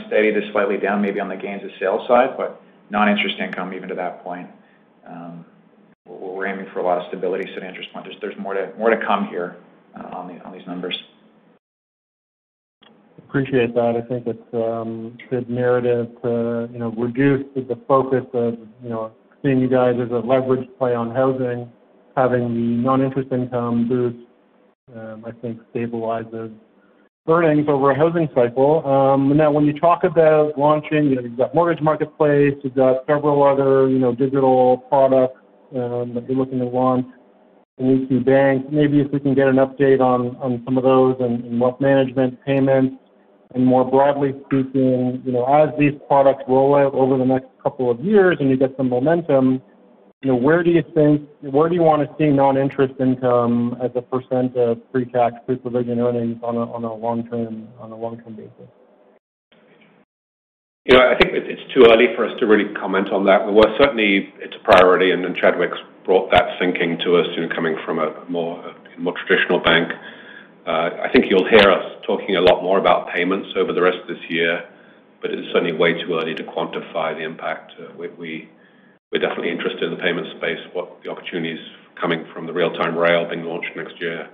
steady to slightly down maybe on the gains of sales side, but non-interest income even to that point. We're aiming for a lot of stability. To Andrew's point, there's more to come here on these numbers. Appreciate that. I think it's the narrative to reduce the focus of seeing you guys as a leverage play on housing, having non-interest income boost I think stabilizes earnings over a housing cycle. When you talk about launching, you've got EQ Bank Mortgage Marketplace, you've got several other digital products that you're looking to launch in EQ Bank. Maybe if we can get an update on some of those and what management plans, and more broadly speaking, as these products roll out over the next couple of years and you get some momentum, where do you want to see non-interest income as a percentage of pre-tax, pre-provision earnings on a long-term basis? I think it's too early for us to really comment on that. Certainly it's a priority, and then Chadwick's brought that thinking to us coming from a more traditional bank. I think you'll hear us talking a lot more about payments over the rest of this year, but it's certainly way too early to quantify the impact. We're definitely interested in the payment space, what the opportunities coming from the Real-Time Rail being launched next year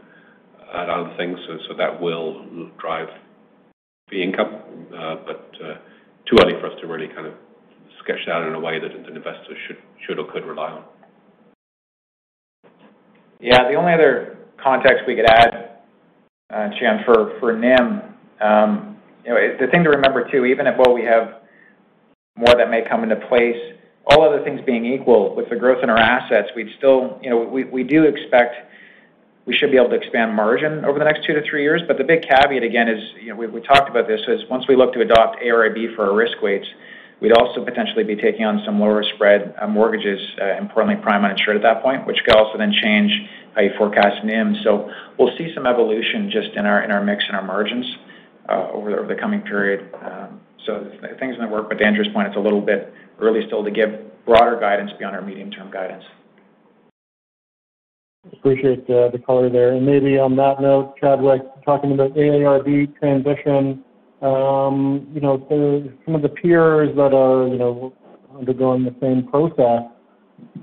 and other things. That will drive the income. Too early for us to really sketch that out in a way that an investor should or could rely on. Yeah. The only other context we could add, Cihan, for NIM. The thing to remember, too, even if while we have more that may come into place, all other things being equal with the growth in our assets, we do expect we should be able to expand margin over the next two to three years. The big caveat again is, we talked about this, is once we look to adopt AIRB for our risk weights, we'd also potentially be taking on some lower spread mortgages, importantly prime uninsured at that point, which could also then change how you forecast NIM. We'll see some evolution just in our mix and our margins over the coming period. Things might work, but to Andrew's point, it's a little bit early still to give broader guidance beyond our medium-term guidance. Appreciate the color there. Maybe on that note, Chadwick, talking about AIRB transition. Some of the peers that are undergoing the same process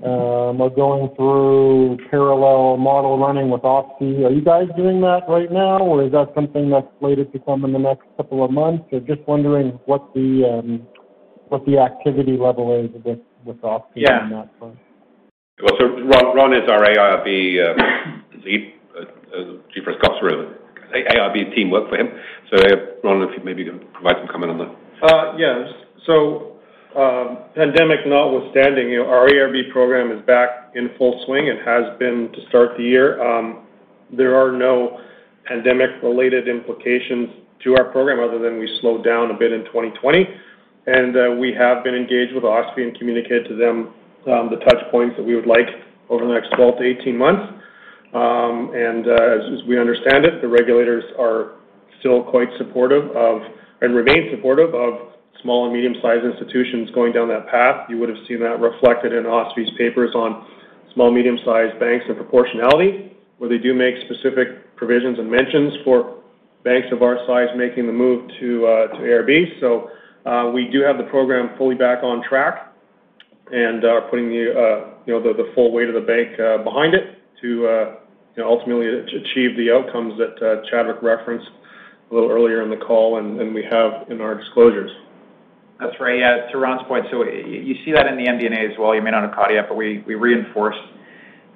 are going through parallel model running with OSFI. Are you guys doing that right now, or is that something that's slated to come in the next couple of months? Just wondering what the activity level is with OSFI on that front? Ron is our AIRB lead. Chief Risk Officer of AIRB team work for him. Ron, if maybe you can provide some comment on that. Yes. Pandemic notwithstanding, our AIRB program is back in full swing. It has been to start the year. There are no pandemic-related implications to our program other than we slowed down a bit in 2020. We have been engaged with OSFI and communicated to them the touch points that we would like over the next 12 to 18 months. As we understand it, the regulators are still quite supportive of, and remain supportive of small and medium-sized institutions going down that path. You would have seen that reflected in OSFI's papers on small, medium-sized banks and proportionality, where they do make specific provisions and mentions for banks of our size making the move to AIRB. We do have the program fully back on track and are putting the full weight of the bank behind it to ultimately achieve the outcomes that Chadwick referenced a little earlier in the call and we have in our disclosures. That's right. To Ron's point, you see that in the MD&A as well. You may not have caught it yet, but we reinforced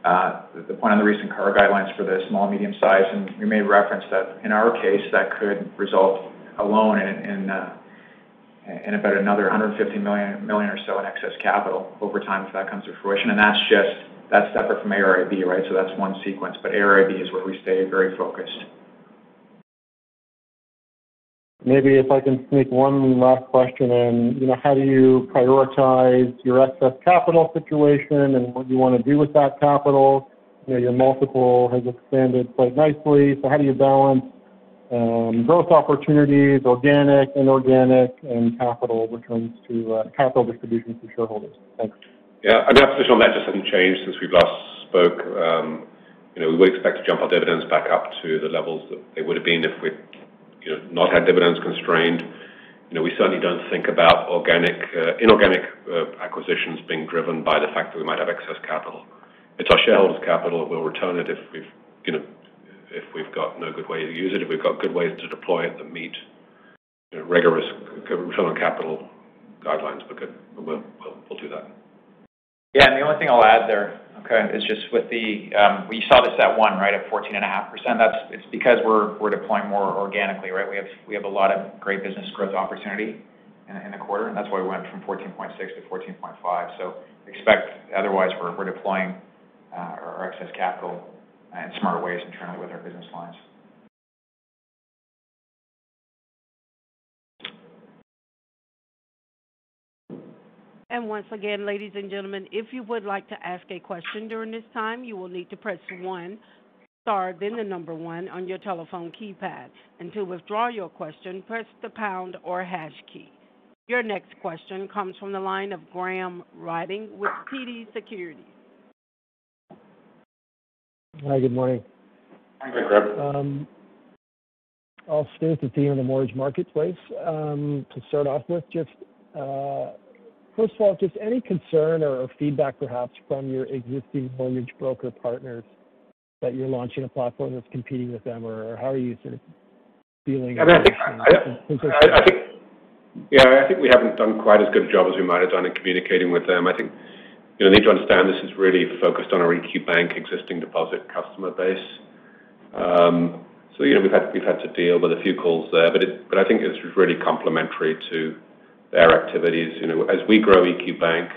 the point on the recent CAR guidelines for the small, medium-size, and we made reference that in our case, that could result alone in about another 150 million or so in excess capital over time, if that comes to fruition. That's separate from AIRB. That's one sequence. AIRB is where we stay very focused. Maybe if I can sneak one last question in. How do you prioritize your excess capital situation and what you want to do with that capital? Your multiple has expanded quite nicely. How do you balance growth opportunities, organic, inorganic, and capital returns to capital distribution for shareholders? Thanks. Our position on that just hasn't changed since we last spoke. We would expect to jump our dividends back up to the levels that they would have been if we'd not had dividends constrained. We certainly don't think about inorganic acquisitions being driven by the fact that we might have excess capital. It's our shareholders' capital. We'll return it if we've got no good way to use it. If we've got good ways to deploy it that meet rigorous government capital guidelines, we'll do that. Yeah. The only thing I'll add there, okay, is just we saw this at 14.5%. It's because we're deploying more organically. We have a lot of great business growth opportunity in the quarter, and that's why we went from 14.6 to 14.5. Expect otherwise we're deploying our excess capital in smart ways internally with our business lines. Your next question comes from the line of Graham Ryding with TD Securities. Hi, good morning. Hi, Graham. I'll stay with you on the mortgage marketplace. To start off with, first of all, any concern or feedback perhaps from your existing mortgage broker partners that you're launching a platform that's competing with them, or how are you sort of feeling about that? Yeah, I think we haven't done quite as good a job as we might have done in communicating with them. I think you need to understand this is really focused on our EQ Bank existing deposit customer base. We've had to deal with a few calls there, but I think it's really complementary to their activities. As we grow EQ Bank,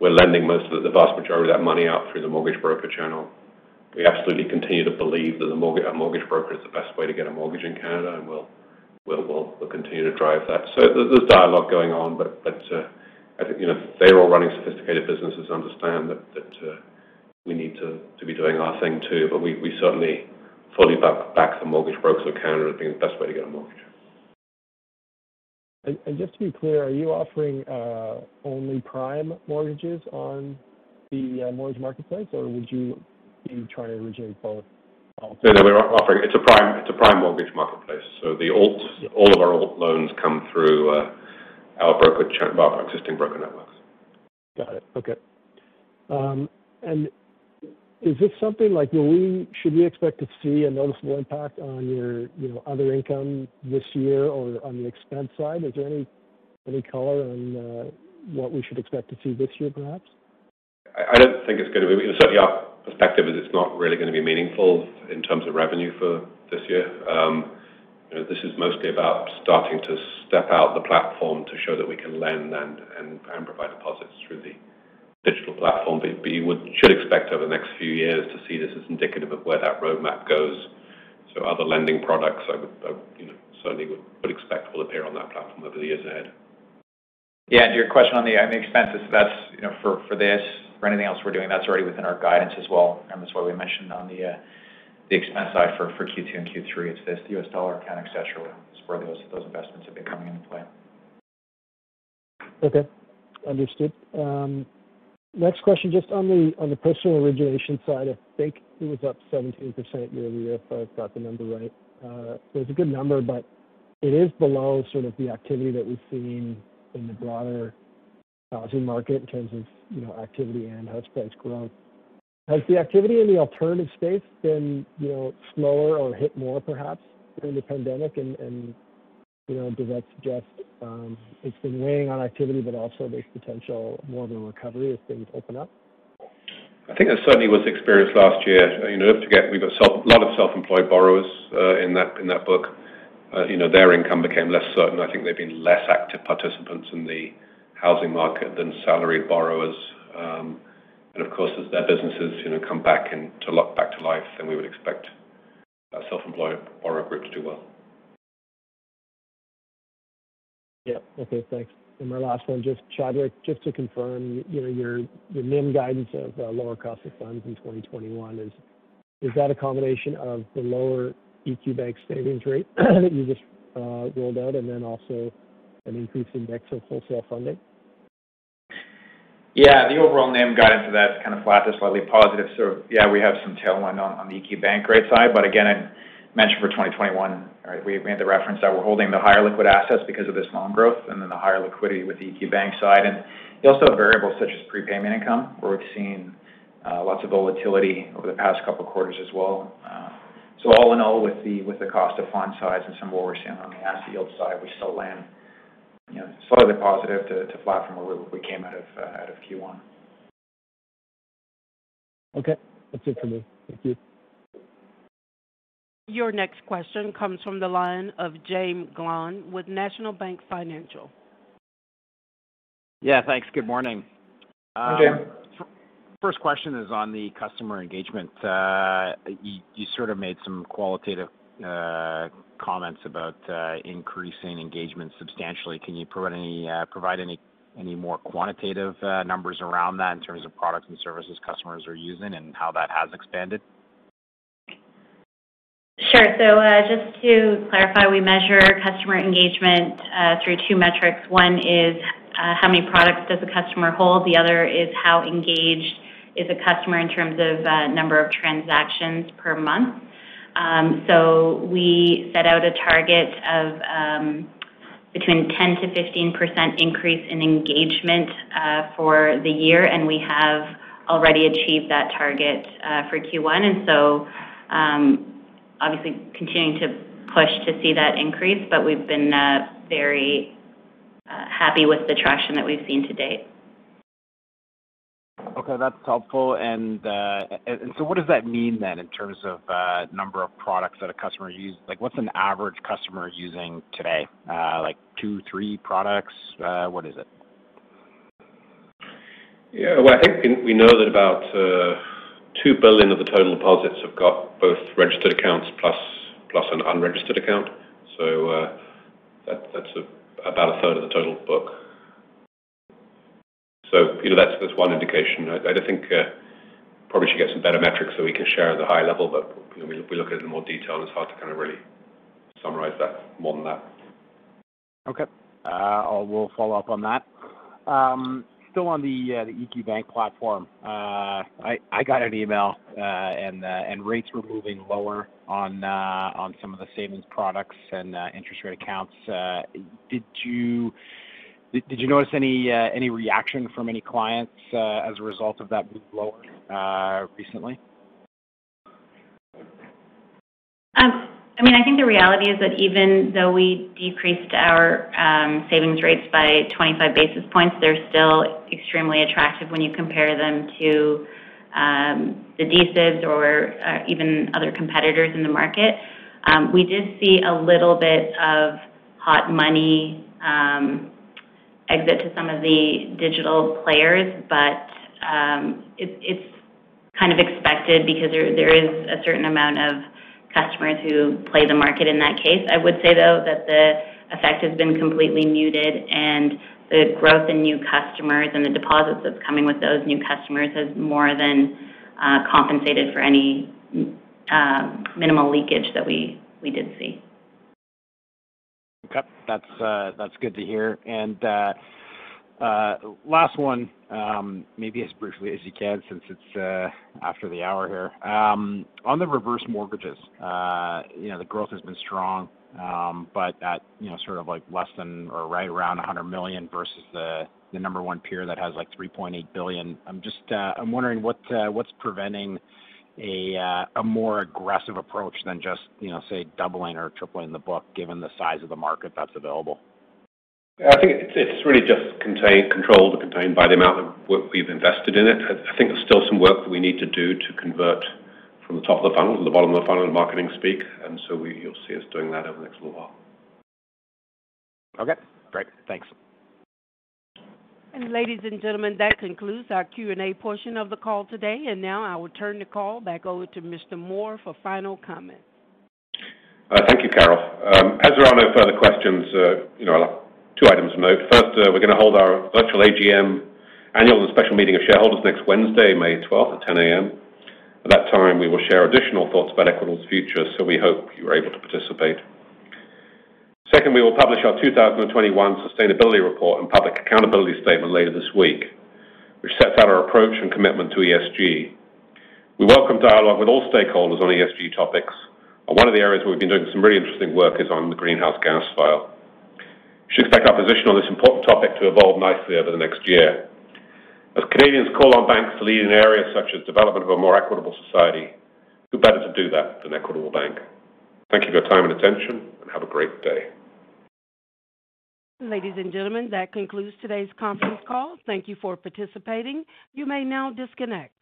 we're lending most of the vast majority of that money out through the mortgage broker channel. We absolutely continue to believe that a mortgage broker is the best way to get a mortgage in Canada, and we'll continue to drive that. There's dialogue going on, but I think they're all running sophisticated businesses and understand that we need to be doing our thing too. We certainly fully back the mortgage brokers account, and I think that's the best way to get a mortgage. Just to be clear, are you offering only prime mortgages on the mortgage marketplace, or would you be trying to originate both? No, it's a prime mortgage marketplace. All of our alt loans come through our existing broker networks. Got it. Okay. Is this something like should we expect to see a noticeable impact on your other income this year or on the expense side? Is there any color on what we should expect to see this year, perhaps? I don't think it's going to be. Certainly our perspective is it's not really going to be meaningful in terms of revenue for this year. This is mostly about starting to step out the platform to show that we can lend and provide deposits through the digital platform. You should expect over the next few years to see this as indicative of where that roadmap goes. Other lending products I certainly would expect will appear on that platform over the years ahead. To your question on the expenses, for this or anything else we're doing, that's already within our guidance as well. That's why we mentioned on the expense side for Q2 and Q3, it's this, the U.S. dollar, Canada, et cetera, is where those investments have been coming into play. Okay. Understood. Next question, just on the personal origination side, I think it was up 17% year-over-year, if I've got the number right. It's a good number, but it is below sort of the activity that we've seen in the broader housing market in terms of activity and house price growth. Has the activity in the alternative space been slower or hit more perhaps during the pandemic? Does that suggest it's been weighing on activity, but also there's potential more of a recovery as things open up? I think that certainly was the experience last year. We've got a lot of self-employed borrowers in that book. Their income became less certain. I think they've been less active participants in the housing market than salaried borrowers. Of course, as their businesses come back to life, then we would expect our self-employed borrower group to do well. Yeah. Okay, thanks. My last one, Chadwick, just to confirm your NIM guidance of lower cost of funds in 2021, is that a combination of the lower EQ Bank savings rate that you just rolled out and then also an increase in decks of wholesale funding? Yeah, the overall NIM guidance of that is kind of flat to slightly positive. Yeah, we have some tailwind on the EQ Bank rate side. Again, I mentioned for 2021, we made the reference that we're holding the higher liquid assets because of this loan growth and then the higher liquidity with the EQ Bank side. Also variables such as prepayment income, where we've seen lots of volatility over the past couple of quarters as well. All in all, with the cost of fund size and some of what we're seeing on the asset yield side, we still land slightly positive to flat from where we came out of Q1. Okay. That's it for me. Thank you. Your next question comes from the line of Jaeme Gloyn with National Bank Financial. Yeah, thanks. Good morning. Hi, Jaeme. First question is on the customer engagement. You sort of made some qualitative comments about increasing engagement substantially. Can you provide any more quantitative numbers around that in terms of products and services customers are using and how that has expanded? Sure. Just to clarify, we measure customer engagement through two metrics. One is how many products does a customer hold. The other is how engaged is a customer in terms of number of transactions per month. We set out a target of between 10%-15% increase in engagement for the year, and we have already achieved that target for Q1. Obviously continuing to push to see that increase, but we've been very happy with the traction that we've seen to date. Okay, that's helpful. What does that mean then in terms of number of products that a customer use? What's an average customer using today? Like two, three products? What is it? Yeah. Well, I think we know that about 2 billion of the total deposits have got both registered accounts plus an unregistered account. That's about a third of the total book. That's one indication. I think probably should get some better metrics so we can share the high level, if we look at it in more detail, it's hard to kind of really summarize that more than that. Okay. We'll follow up on that. Still on the EQ Bank platform. I got an email, and rates were moving lower on some of the savings products and interest rate accounts. Did you notice any reaction from any clients as a result of that move lower recently? I think the reality is that even though we decreased our savings rates by 25 basis points, they're still extremely attractive when you compare them to the D-SIBs or even other competitors in the market. We did see a little bit of hot money exit to some of the digital players, but it's kind of expected because there is a certain amount of customers who play the market in that case. I would say, though, that the effect has been completely muted, and the growth in new customers and the deposits that's coming with those new customers has more than compensated for any minimal leakage that we did see. Okay. That's good to hear. Last one, maybe as briefly as you can since it's after the hour here. On the reverse mortgages, the growth has been strong, but at sort of less than or right around 100 million versus the number one peer that has 3.8 billion. I'm wondering what's preventing a more aggressive approach than just, say, doubling or tripling the book, given the size of the market that's available? I think it's really just controlled or contained by the amount of work we've invested in it. I think there's still some work that we need to do to convert from the top of the funnel to the bottom of the funnel in marketing speak. You'll see us doing that over the next little while. Okay, great. Thanks. Ladies and gentlemen, that concludes our Q&A portion of the call today. Now I will turn the call back over to Mr. Moor for final comment. Thank you, Carol. As there are no further questions, I'll have two items to note. First, we're going to hold our virtual AGM annual and special meeting of shareholders next Wednesday, May 12th at 10:00 A.M. At that time, we will share additional thoughts about Equitable's future, so we hope you are able to participate. Second, we will publish our 2021 sustainability report and public accountability statement later this week, which sets out our approach and commitment to ESG. We welcome dialogue with all stakeholders on ESG topics, and one of the areas where we've been doing some really interesting work is on the greenhouse gas file. We should expect our position on this important topic to evolve nicely over the next year. As Canadians call on banks to lead in areas such as development of a more equitable society, who better to do that than Equitable Bank? Thank you for your time and attention, and have a great day. Ladies and gentlemen, that concludes today's conference call. Thank you for participating. You may now disconnect.